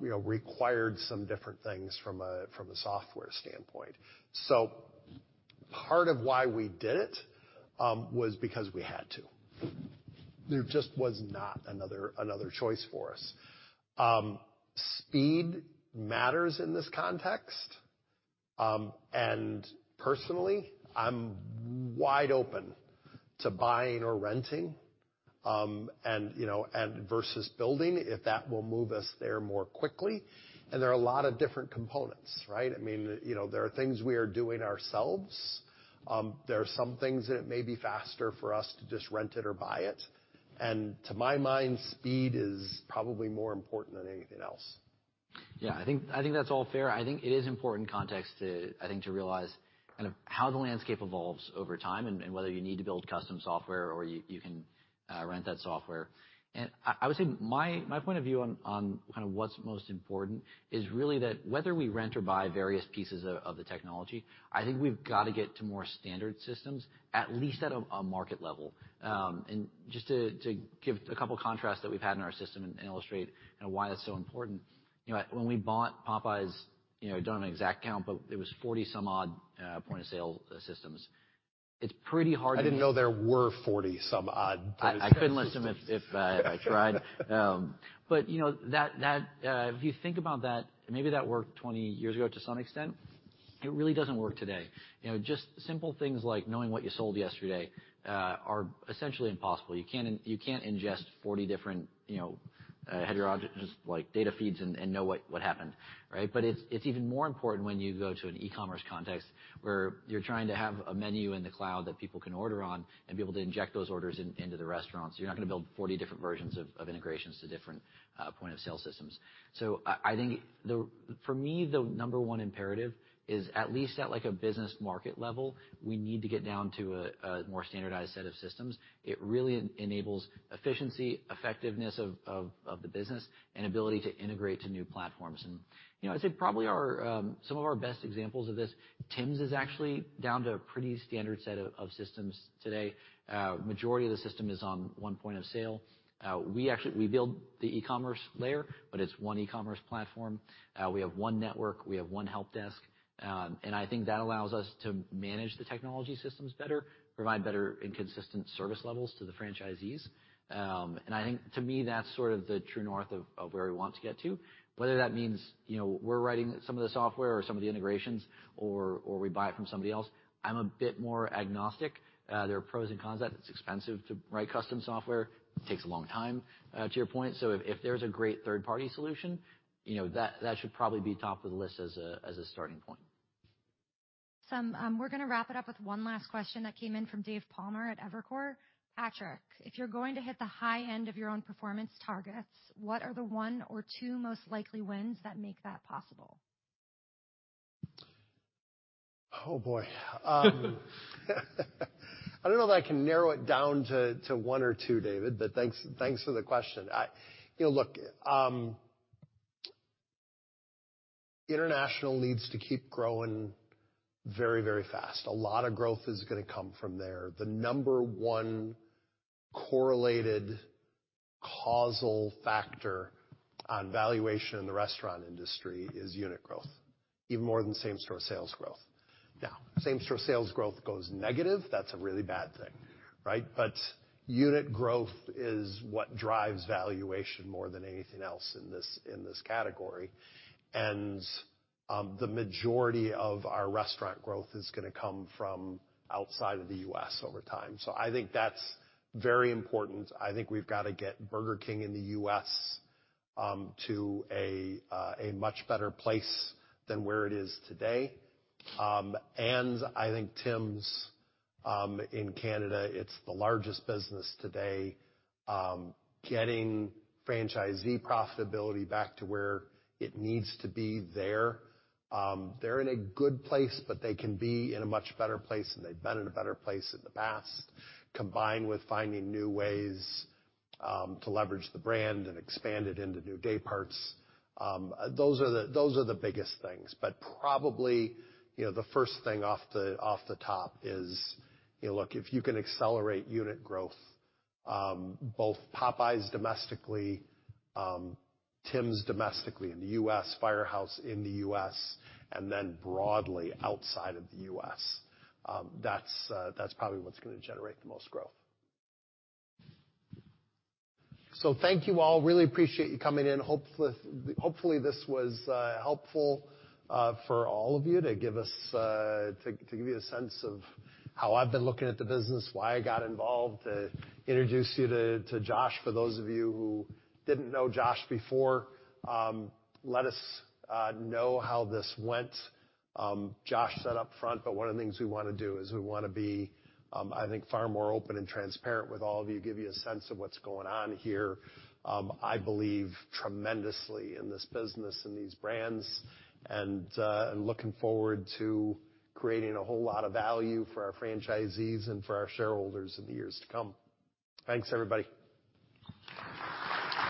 you know, required some different things from a software standpoint. Part of why we did it was because we had to. There just was not another choice for us. Speed matters in this context. Personally, I'm wide open to buying or renting, and, you know, versus building if that will move us there more quickly. There are a lot of different components, right? I mean, you know, there are things we are doing ourselves. There are some things that it may be faster for us to just rent it or buy it. To my mind, speed is probably more important than anything else. Yeah, I think that's all fair. I think it is important context to realize kind of how the landscape evolves over time and whether you need to build custom software or you can rent that software. I would say my point of view on kinda what's most important is really that whether we rent or buy various pieces of the technology, I think we've got to get to more standard systems, at least at a market level. Just to give a couple contrasts that we've had in our system and illustrate you know why it's so important, you know, when we bought Popeyes, you know, I don't have an exact count, but it was 40 some odd point-of-sale systems. It's pretty hard to I didn't know there were 40 some odd different systems. I couldn't list them if I tried. You know, that, if you think about that, maybe that worked 20 years ago to some extent. It really doesn't work today. You know, just simple things like knowing what you sold yesterday, are essentially impossible. You can't ingest 40 different, you know, heterogeneous just, like, data feeds and know what happened, right? It's even more important when you go to an e-commerce context where you're trying to have a menu in the cloud that people can order on and be able to inject those orders into the restaurant, so you're not gonna build 40 different versions of integrations to different point of sale systems. I think the for me, the number one imperative is at least at, like, a business market level, we need to get down to a more standardized set of systems. It really enables efficiency, effectiveness of the business and ability to integrate to new platforms. You know, I'd say probably our some of our best examples of this, Tims is actually down to a pretty standard set of systems today. Majority of the system is on one point of sale. We build the e-commerce layer, but it's one e-commerce platform. We have one network. We have one helpdesk. I think that allows us to manage the technology systems better, provide better and consistent service levels to the franchisees. I think to me, that's sort of the true north of where we want to get to. Whether that means, you know, we're writing some of the software or some of the integrations or we buy it from somebody else, I'm a bit more agnostic. There are pros and cons of that. It's expensive to write custom software. It takes a long time, to your point. If there's a great third-party solution, you know, that should probably be top of the list as a starting point. We're gonna wrap it up with one last question that came in from David Palmer at Evercore. Patrick, if you're going to hit the high end of your own performance targets, what are the one or two most likely wins that make that possible? Oh, boy. I don't know that I can narrow it down to one or two, David, but thanks for the question. You know, look, international needs to keep growing very, very fast. A lot of growth is gonna come from there. The number one correlated causal factor on valuation in the restaurant industry is unit growth, even more than same-store sales growth. Now, same-store sales growth goes negative, that's a really bad thing, right? Unit growth is what drives valuation more than anything else in this category. The majority of our restaurant growth is gonna come from outside of the U.S. over time. I think that's very important. I think we've got to get Burger King in the U.S. to a much better place than where it is today. I think Tims in Canada, it's the largest business today. Getting franchisee profitability back to where it needs to be there. They're in a good place, but they can be in a much better place, and they've been in a better place in the past, combined with finding new ways to leverage the brand and expand it into new day parts. Those are the biggest things. Probably, you know, the first thing off the top is, you know, look, if you can accelerate unit growth, both Popeyes domestically, Tims domestically in the U.S., Firehouse in the U.S., and then broadly outside of the U.S., that's probably what's gonna generate the most growth. Thank you all. Really appreciate you coming in. Hopefully, this was helpful for all of you to give us to give you a sense of how I've been looking at the business, why I got involved, to introduce you to Josh for those of you who didn't know Josh before. Let us know how this went. Josh said up front that one of the things we wanna do is we wanna be I think far more open and transparent with all of you, give you a sense of what's going on here. I believe tremendously in this business and these brands, and looking forward to creating a whole lot of value for our franchisees and for our shareholders in the years to come. Thanks, everybody.